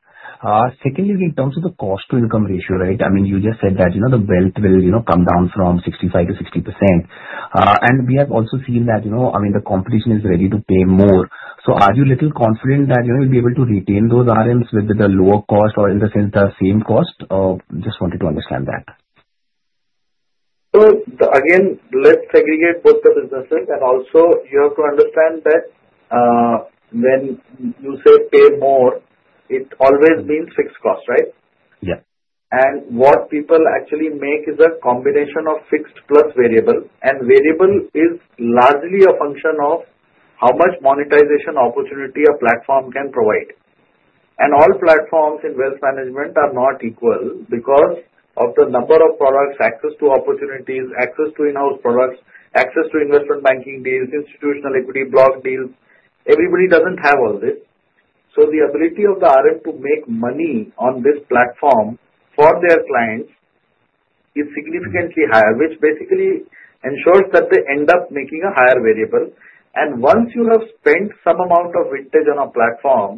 Second is in terms of the cost-to-income ratio, right? I mean, you just said that the Wealth will come down from 65%-60%. And we have also seen that, I mean, the competition is ready to pay more. So are you a little confident that you'll be able to retain those RMs with the lower cost or in the same cost? Just wanted to understand that. So again, let's segregate both the businesses. And also, you have to understand that when you say pay more, it always means fixed cost, right? Yeah. And what people actually make is a combination of fixed plus variable. And variable is largely a function of how much monetization opportunity a platform can provide. And all platforms in Wealth management are not equal because of the number of products, access to opportunities, access to in-house products, access to investment banking deals, institutional equity block deals. Everybody doesn't have all this. So the ability of the RM to make money on this platform for their clients is significantly higher, which basically ensures that they end up making a higher variable. And once you have spent some amount of vintage on a platform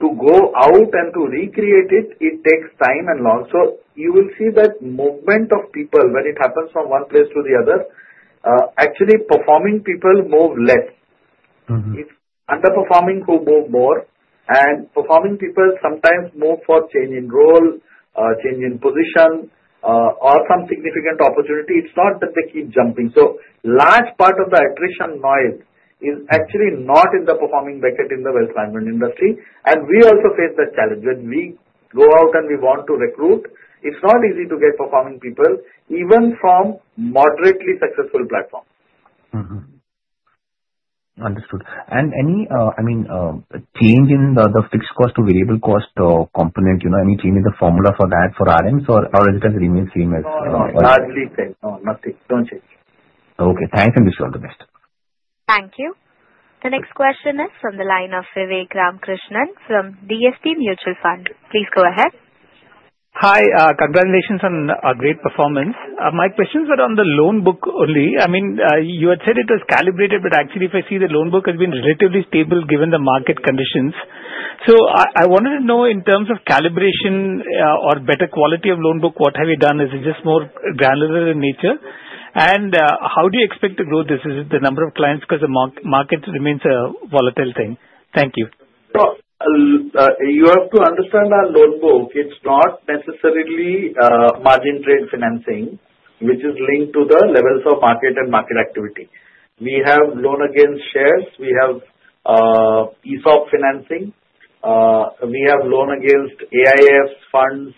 to go out and to recreate it, it takes time and long. So you will see that movement of people, when it happens from one place to the other, actually performing people move less. Underperforming who move more. Performing people sometimes move for change in role, change in position, or some significant opportunity. It's not that they keep jumping. Large part of the attrition noise is actually not in the performing bucket in the Wealth management industry. We also face that challenge. When we go out and we want to recruit, it's not easy to get performing people, even from moderately successful platforms. Understood. And any, I mean, change in the fixed cost to variable cost component, any change in the formula for that for RMs? Or is it as remains the same as? No. Largely the same. No, nothing. Don't change. Okay. Thanks, and wish you all the best.
Thank you. The next question is from the line of Vivek Ramakrishnan from DSP Mutual Fund. Please go ahead.
Hi. Congratulations on a great performance. My questions were on the loan book only. I mean, you had said it was calibrated, but actually, if I see the loan book has been relatively stable given the market conditions. So I wanted to know, in terms of calibration or better quality of loan book, what have you done? Is it just more granular in nature? And how do you expect to grow this? Is it the number of clients? Because the market remains a volatile thing. Thank you.
You have to understand our loan book. It's not necessarily margin-trade financing, which is linked to the levels of market and market activity. We have loan against shares. We have ESOP financing. We have loan against AIFs funds,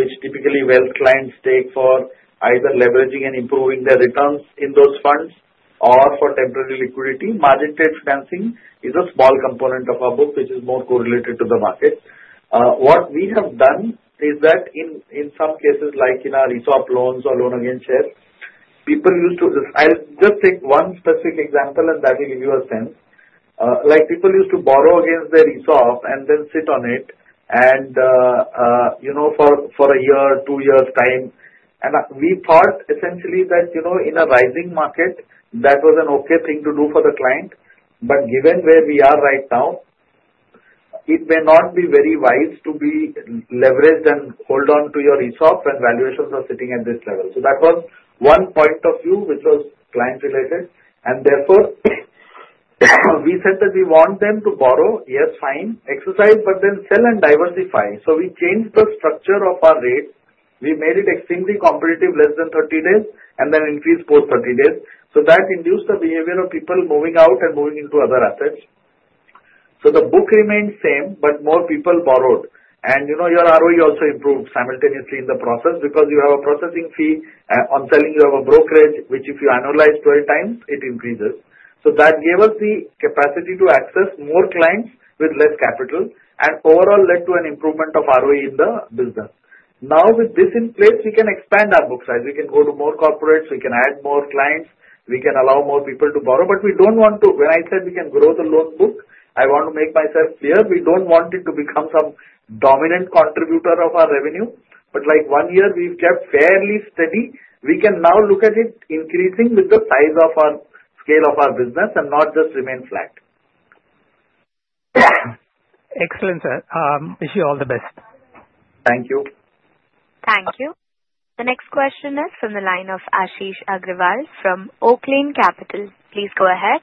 which typically Wealth clients take for either leveraging and improving their returns in those funds or for temporary liquidity. Margin-trade financing is a small component of our book, which is more correlated to the market. What we have done is that in some cases, like in our ESOP loans or loan against shares, people used to, I'll just take one specific example, and that will give you a sense. People used to borrow against their ESOP and then sit on it for a year, two years' time, and we thought, essentially, that in a rising market, that was an okay thing to do for the client. But given where we are right now, it may not be very wise to be leveraged and hold on to your ESOP when valuations are sitting at this level. So that was one point of view, which was client-related. And therefore, we said that we want them to borrow. Yes, fine. Exercise, but then sell and diversify. So we changed the structure of our rate. We made it extremely competitive less than 30 days and then increased post-30 days. So that induced the behavior of people moving out and moving into other assets. So the book remained same, but more people borrowed. And your ROE also improved simultaneously in the process because you have a processing fee on selling. You have a brokerage, which if you annualize 12 times, it increases. So that gave us the capacity to access more clients with less capital and overall led to an improvement of ROE in the business. Now, with this in place, we can expand our book size. We can go to more corporates. We can add more clients. We can allow more people to borrow. But we don't want to, when I said we can grow the loan book, I want to make myself clear. We don't want it to become some dominant contributor of our revenue. But one year, we've kept fairly steady. We can now look at it increasing with the size of our scale of our business and not just remain flat.
Excellent, sir. Wish you all the best.
Thank you.
Thank you. The next question is from the line of Ashish Agarwal from Oaklane Capital. Please go ahead.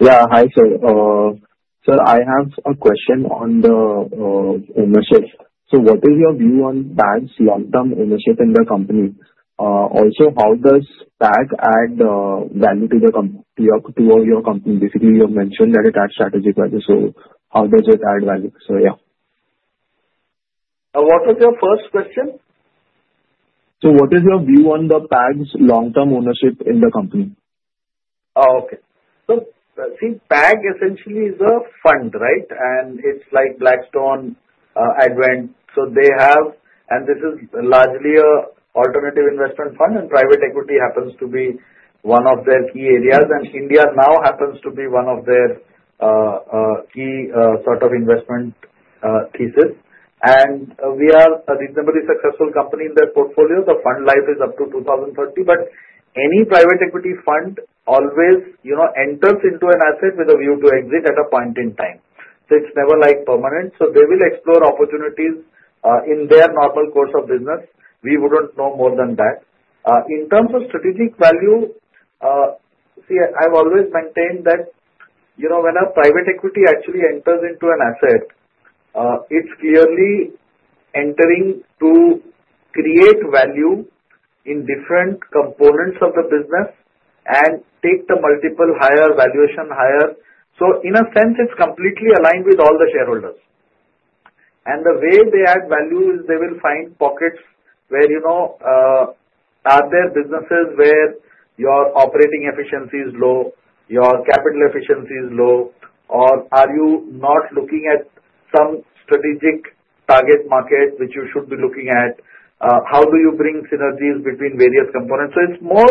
Yeah. Hi, sir. Sir, I have a question on the ownership. So what is your view on PAG's long-term ownership in the company? Also, how does PAG add value to your company? Basically, you mentioned that it adds strategic value. So how does it add value? So yeah.
What was your first question?
So what is your view on the PAG's long-term ownership in the company?
Oh, okay. So see, PAG essentially is a fund, right? And it's like Blackstone, Advent. And this is largely an alternative investment fund. And private equity happens to be one of their key areas. And India now happens to be one of their key sort of investment thesis. And we are a reasonably successful company in their portfolio. The fund life is up to 2030. But any private equity fund always enters into an asset with a view to exit at a point in time. So it's never permanent. So they will explore opportunities in their normal course of business. We wouldn't know more than that. In terms of strategic value, see, I've always maintained that when a private equity actually enters into an asset, it's clearly entering to create value in different components of the business and take the multiple higher valuation higher. So in a sense, it's completely aligned with all the shareholders. And the way they add value is they will find pockets where are there businesses where your operating efficiency is low, your capital efficiency is low, or are you not looking at some strategic target market, which you should be looking at? How do you bring synergies between various components? So it's more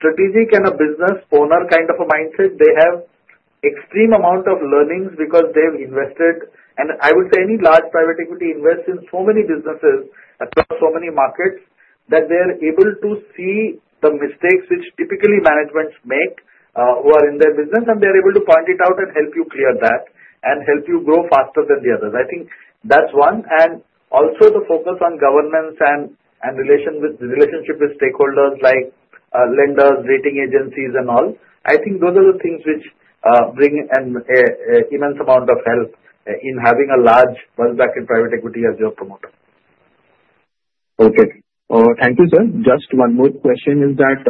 strategic and a business owner kind of a mindset. They have extreme amount of learnings because they've invested. And I would say any large private equity invests in so many businesses across so many markets that they are able to see the mistakes which typically managements make who are in their business. And they're able to point it out and help you clear that and help you grow faster than the others. I think that's one. And also the focus on governance and relationship with stakeholders like lenders, rating agencies, and all. I think those are the things which bring an immense amount of help in having a large pushback in private equity as your promoter.
Okay. Thank you, sir. Just one more question is that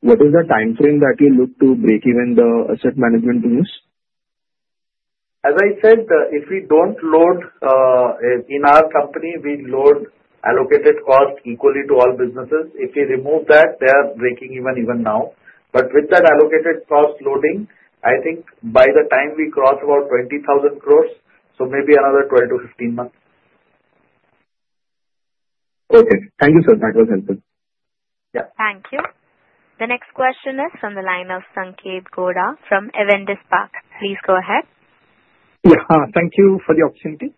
what is the time frame that you look to break even the Asset Management tools?
As I said, if we don't load in our company, we load allocated cost equally to all businesses. If we remove that, they are breaking even now. But with that allocated cost loading, I think by the time we cross about 20,000 crores, so maybe another 12 to 15 months.
Okay. Thank you, sir. That was helpful.
Yeah.
Thank you. The next question is from the line of Sanketh Godha from Avendus Spark. Please go ahead.
Yeah. Thank you for the opportunity.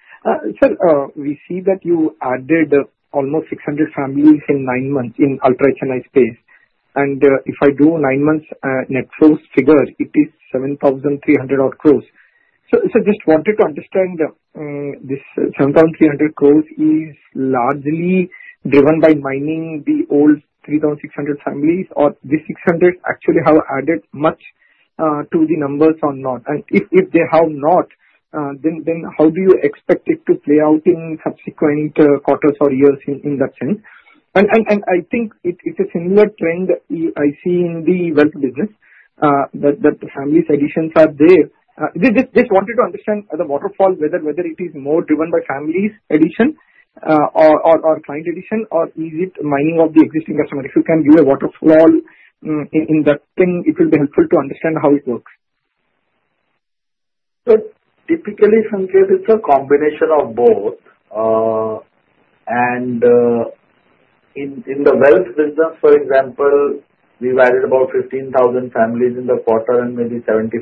Sir, we see that you added almost 600 families in nine months in ultra HNWI space. And if I do nine months net flows figure, it is 7,300 crores. So just wanted to understand this 7,300 crores is largely driven by mining the old 3,600 families or these 600 actually have added much to the numbers or not? And if they have not, then how do you expect it to play out in subsequent quarters or years in that sense? And I think it's a similar trend I see in the Wealth business that the family's additions are there. Just wanted to understand the waterfall, whether it is more driven by family's addition or client addition, or is it mining of the existing customer? If you can give a waterfall in that thing, it will be helpful to understand how it works.
Typically, Sandeep, it's a combination of both. And in the Wealth business, for example, we've added about 15,000 families in the quarter and maybe 75,000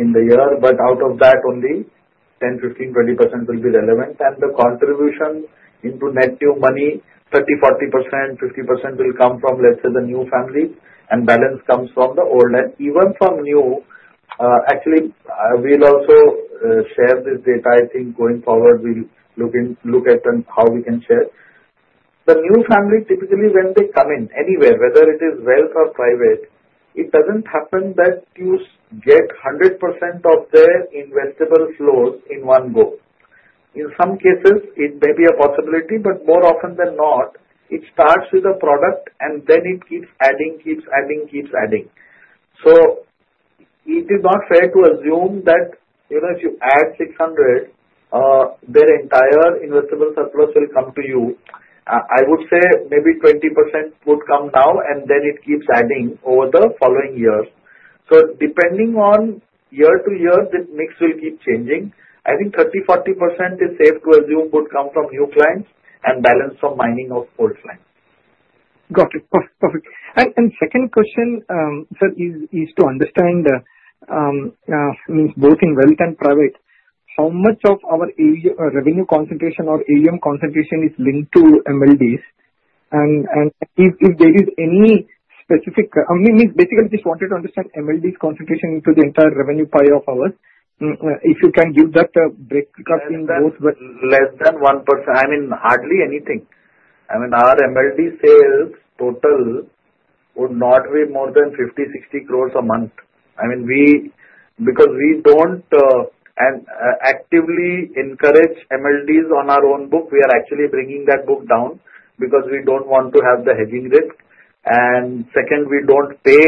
in the year. But out of that, only 10%, 15%, 20% will be relevant. And the contribution into net new money, 30%, 40%, 50% will come from, let's say, the new family, and balance comes from the old. And even from new, actually, we'll also share this data. I think going forward, we'll look at how we can share. The new family, typically, when they come in anywhere, whether it is Wealth or Private, it doesn't happen that you get 100% of their investable flows in one go. In some cases, it may be a possibility, but more often than not, it starts with a product, and then it keeps adding, keeps adding, keeps adding. So it is not fair to assume that if you add 600, their entire investable surplus will come to you. I would say maybe 20% would come now, and then it keeps adding over the following years. So depending on year to year, the mix will keep changing. I think 30%-40% is safe to assume would come from new clients and balance from mining of old clients.
Got it. Perfect. And second question, sir, is to understand, means both in Wealth and Private, how much of our revenue concentration or AUM concentration is linked to MLDs? And if there is any specific, I mean, basically, just wanted to understand MLDs concentration into the entire revenue pie of ours. If you can give that breakup in both.
Less than 1%. I mean, hardly anything. I mean, our MLD sales total would not be more than 50-60 crores a month. I mean, because we don't actively encourage MLDs on our own book, we are actually bringing that book down because we don't want to have the hedging risk. And second, we don't pay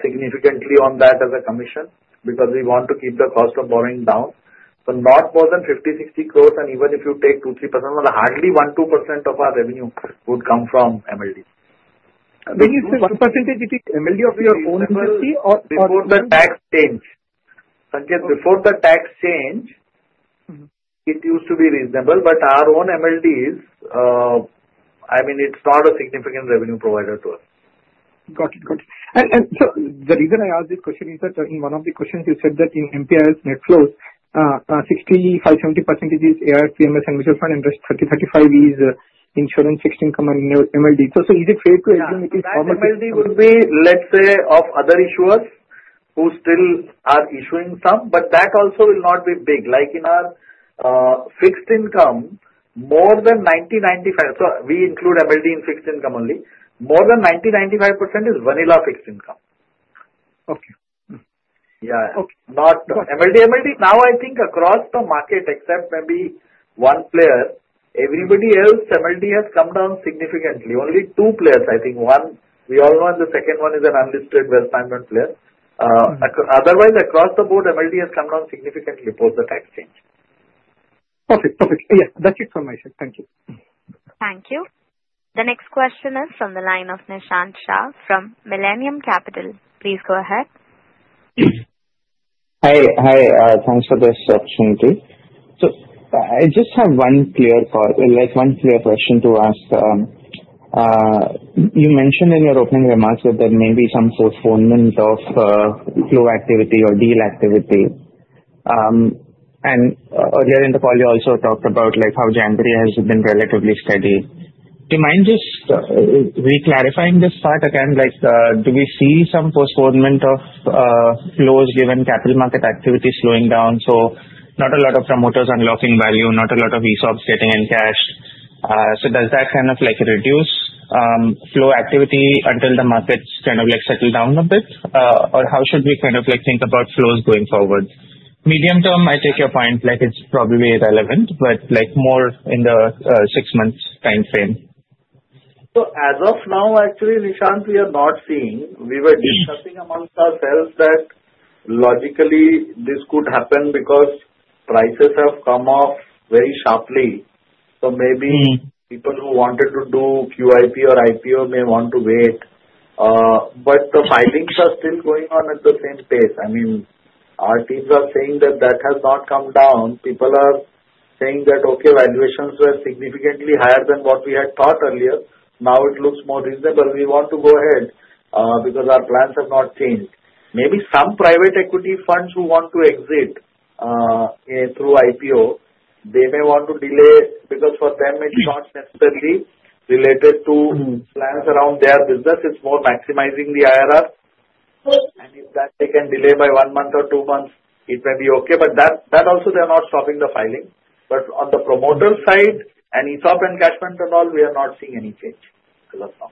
significantly on that as a commission because we want to keep the cost of borrowing down. So not more than 50-60 crores. And even if you take 2%-3%, hardly 1%-2% of our revenue would come from MLDs.
When you say 1%, is it MLD of your own industry or?
Before the tax change. Sandeep, before the tax change, it used to be reasonable. But our own MLDs, I mean, it's not a significant revenue provider to us.
Got it. Got it. And so the reason I asked this question is that in one of the questions, you said that in MPIS net flows, 60-65-70% is AIF, PMS, and mutual fund, and rest 30%-35% is insurance, fixed income, and MLD. So is it fair to assume it is?
MLD would be, let's say, of other issuers who still are issuing some, but that also will not be big. Like in our fixed income, more than 90%-95%, so we include MLD in fixed income only. More than 90%-95% is vanilla fixed income.
Okay.
Yeah. MLD, MLD, now I think across the market, except maybe one player, everybody else's MLD has come down significantly. Only two players, I think. One, we all know, and the second one is an unlisted Wealth management player. Otherwise, across the board, MLD has come down significantly post the tax change.
Perfect. Perfect. Yeah. That's it from my side. Thank you.
Thank you. The next question is from the line of Nishant Shah from Millennium Capital. Please go ahead.
Hi. Hi. Thanks for this opportunity. So I just have one clear question to ask. You mentioned in your opening remarks that there may be some postponement of flow activity or deal activity. And earlier in the call, you also talked about how January has been relatively steady. Do you mind just reclarifying this part again? Do we see some postponement of flows given capital market activity slowing down? So not a lot of promoters unlocking value, not a lot of ESOPs getting in cash. So does that kind of reduce flow activity until the markets kind of settle down a bit? Or how should we kind of think about flows going forward? Medium term, I take your point. It's probably irrelevant, but more in the six-month time frame.
So as of now, actually, Nishant, we are not seeing. We were discussing amongst ourselves that logically, this could happen because prices have come off very sharply. So maybe people who wanted to do QIP or IPO may want to wait. But the filings are still going on at the same pace. I mean, our teams are saying that that has not come down. People are saying that, "Okay, valuations were significantly higher than what we had thought earlier. Now it looks more reasonable. We want to go ahead because our plans have not changed." Maybe some private equity funds who want to exit through IPO, they may want to delay because for them, it's not necessarily related to plans around their business. It's more maximizing the IRR. And if that, they can delay by one month or two months, it may be okay. But that also, they're not stopping the filing. But on the promoter side, and ESOP and cash fund and all, we are not seeing any change as of now.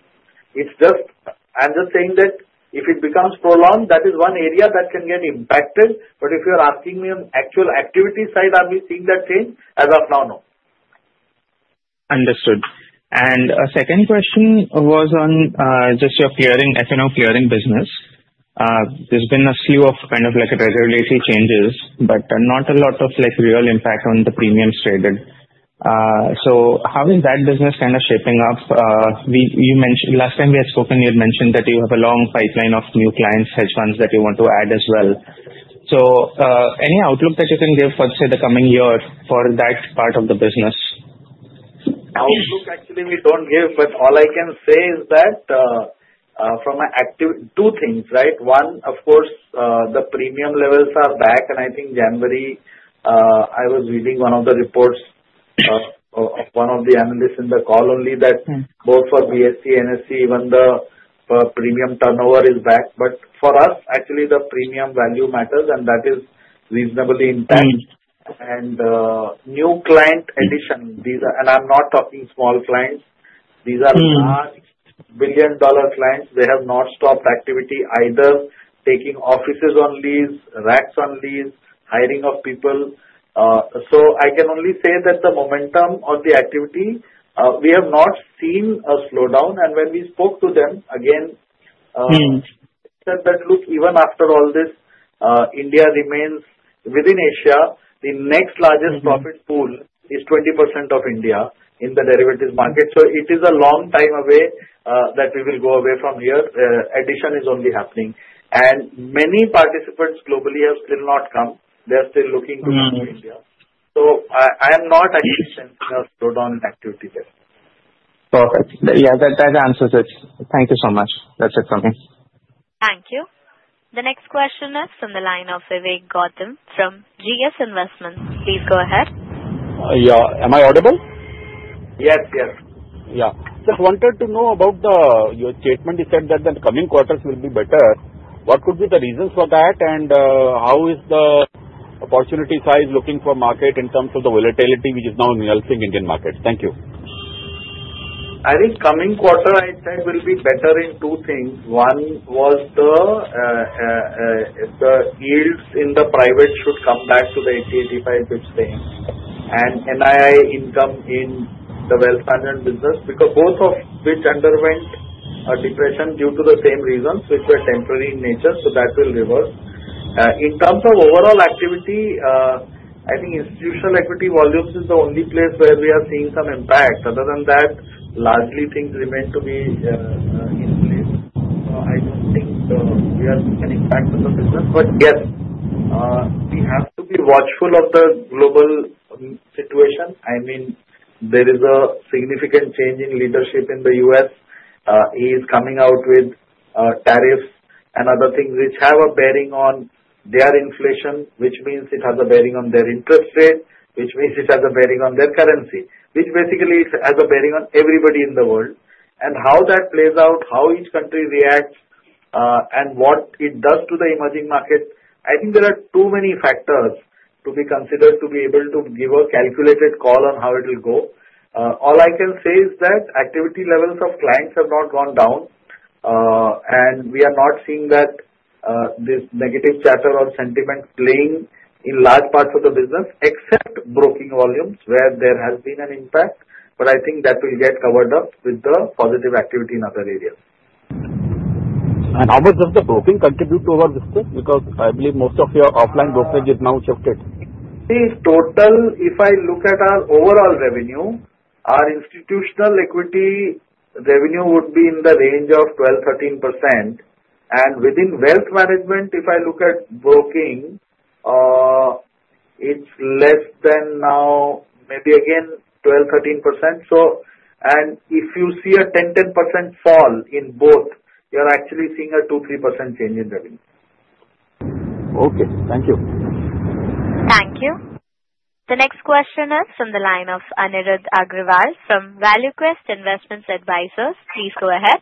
I'm just saying that if it becomes prolonged, that is one area that can get impacted. But if you're asking me on actual activity side, are we seeing that change? As of now, no.
Understood, and a second question was on just your clearing F&O clearing business. There's been a slew of kind of regulatory changes, but not a lot of real impact on the premiums traded, so how is that business kind of shaping up? Last time we had spoken, you had mentioned that you have a long pipeline of new clients, hedge funds that you want to add as well, so any outlook that you can give, let's say, the coming year for that part of the business?
Outlook, actually, we don't give. But all I can say is that from an activity, two things, right? One, of course, the premium levels are back. And I think January, I was reading one of the reports of one of the analysts in the call only that both for BSE, NSE, even the premium turnover is back. But for us, actually, the premium value matters, and that is reasonably intact. And new client addition, and I'm not talking small clients. These are large billion-dollar clients. They have not stopped activity either, taking offices on lease, racks on lease, hiring of people. So I can only say that the momentum of the activity, we have not seen a slowdown. And when we spoke to them, again, they said that, "Look, even after all this, India remains within Asia. The next largest profit pool is 20% of India in the derivatives market." So it is a long time away that we will go away from here. Addition is only happening. And many participants globally have still not come. They're still looking to come to India. So I am not actually sensing a slowdown in activity there.
Perfect. Yeah. That answers it. Thank you so much. That's it from me.
Thank you. The next question is from the line of Vivek Gautam from GS Investments. Please go ahead. Yeah. Am I audible?
Yes. Yes. Yeah. Just wanted to know about your statement. You said that the coming quarters will be better. What could be the reasons for that? And how is the opportunity size looking for market in terms of the volatility, which is now in surging Indian markets? Thank you. I think coming quarter, I said, will be better in two things. One was the yields in the private should come back to the 80%-85%, which they have, and NII income in the Wealth management business, because both of which underwent a depression due to the same reasons, which were temporary in nature. So that will reverse. In terms of overall activity, I think institutional equity volumes is the only place where we are seeing some impact. Other than that, largely things remain to be in place. So I don't think we are seeing an impact on the business. But yes, we have to be watchful of the global situation. I mean, there is a significant change in leadership in the U.S. He is coming out with tariffs and other things, which have a bearing on their inflation, which means it has a bearing on their interest rate, which means it has a bearing on their currency, which basically has a bearing on everybody in the world, and how that plays out, how each country reacts, and what it does to the emerging market. I think there are too many factors to be considered to be able to give a calculated call on how it will go. All I can say is that activity levels of clients have not gone down, and we are not seeing this negative chatter or sentiment playing in large parts of the business, except broking volumes where there has been an impact, but I think that will get covered up with the positive activity in other areas. How much does the broking contribute to our business? Because I believe most of your offline brokerage is now shifted. See, total, if I look at our overall revenue, our institutional equity revenue would be in the range of 12%-13%. And within Wealth management, if I look at broking, it's less than now, maybe again, 12%-13%. And if you see a 10%-10% fall in both, you're actually seeing a 2%-3% change in revenue. Okay. Thank you.
Thank you. The next question is from the line of Anirudh Agarwal from ValueQuest Investment Advisors. Please go ahead.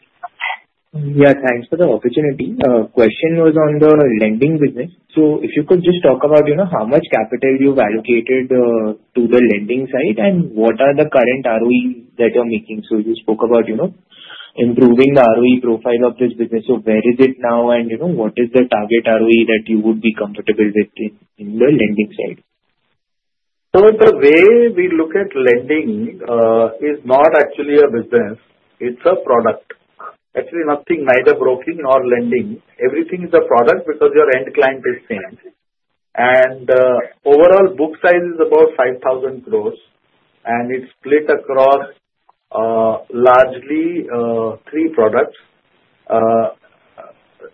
Yeah. Thanks for the opportunity. Question was on the lending business. So if you could just talk about how much capital you've allocated to the lending side and what are the current ROEs that you're making. So you spoke about improving the ROE profile of this business. So where is it now? And what is the target ROE that you would be comfortable with in the lending side?
So the way we look at lending is not actually a business. It's a product. Actually, nothing, neither broking nor lending. Everything is a product because your end client is same. And overall book size is about 5,000 crores. And it's split across largely three products: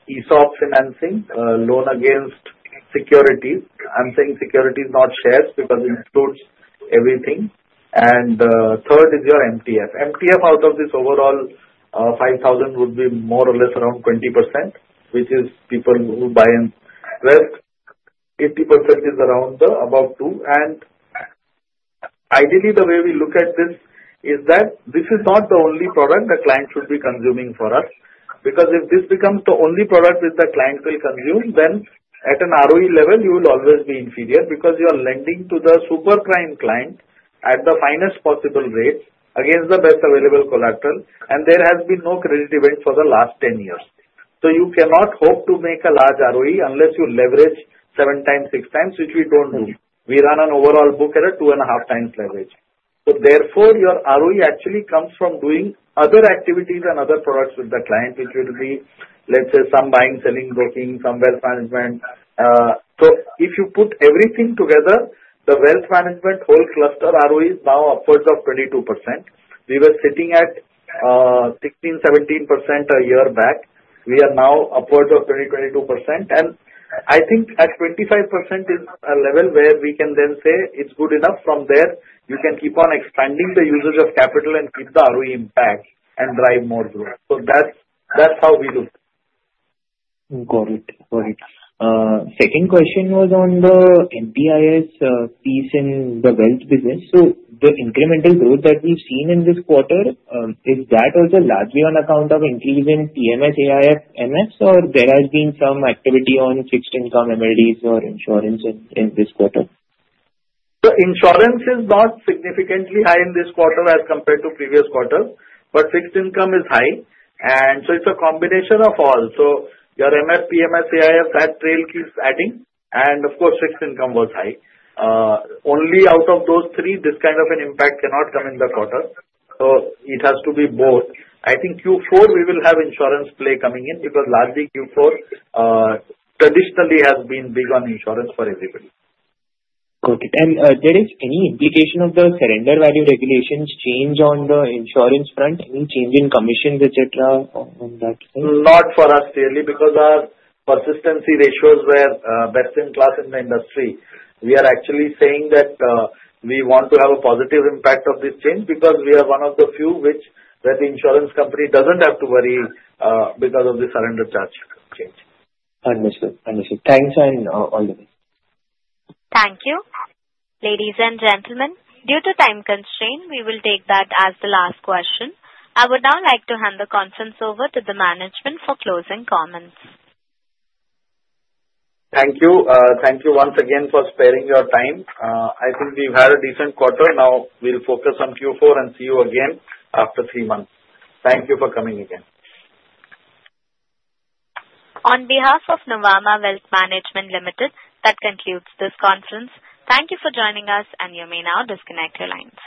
ESOP financing, loan against securities. I'm saying securities, not shares, because it includes everything. And third is your MTF. MTF out of this overall 5,000 would be more or less around 20%, which is people who buy and. Rest, 80% is around the above two. And ideally, the way we look at this is that this is not the only product the client should be consuming for us. Because if this becomes the only product that the client will consume, then at an ROE level, you will always be inferior because you are lending to the super prime client at the finest possible rate against the best available collateral, and there has been no credit event for the last 10 years, so you cannot hope to make a large ROE unless you leverage seven times, six times, which we don't do. We run an overall book at a two and a half times leverage, so therefore, your ROE actually comes from doing other activities and other products with the client, which will be, let's say, some buying, selling, broking, some Wealth management, so if you put everything together, the Wealth management whole cluster ROE is now upwards of 22%. We were sitting at 16%, 17% a year back. We are now upwards of 20%, 22%. And I think at 25% is a level where we can then say it's good enough. From there, you can keep on expanding the usage of capital and keep the ROE intact and drive more growth. So that's how we look.
Got it. Got it. Second question was on the MPIS piece in the Wealth business. So the incremental growth that we've seen in this quarter, is that also largely on account of increase in PMS, AIF, MS, or there has been some activity on fixed income, MLDs, or insurance in this quarter?
So insurance is not significantly high in this quarter as compared to previous quarters. But fixed income is high. And so it's a combination of all. So your MF, PMS, AIF, that trail keeps adding. And of course, fixed income was high. Only out of those three, this kind of an impact cannot come in the quarter. So it has to be both. I think Q4, we will have insurance play coming in because largely Q4 traditionally has been big on insurance for everybody.
Got it. And there is any implication of the surrender value regulations change on the insurance front? Any change in commissions, etc., on that?
Not for us, clearly, because our persistency ratios were best in class in the industry. We are actually saying that we want to have a positive impact of this change because we are one of the few where the insurance company doesn't have to worry because of the surrender charge change.
Understood. Understood. Thanks, and all the best.
Thank you. Ladies and gentlemen, due to time constraint, we will take that as the last question. I would now like to hand the conference over to the management for closing comments.
Thank you. Thank you once again for sparing your time. I think we've had a decent quarter. Now we'll focus on Q4 and see you again after three months. Thank you for coming again.
On behalf of Nuvama Wealth Management Limited, that concludes this conference. Thank you for joining us, and you may now disconnect your lines.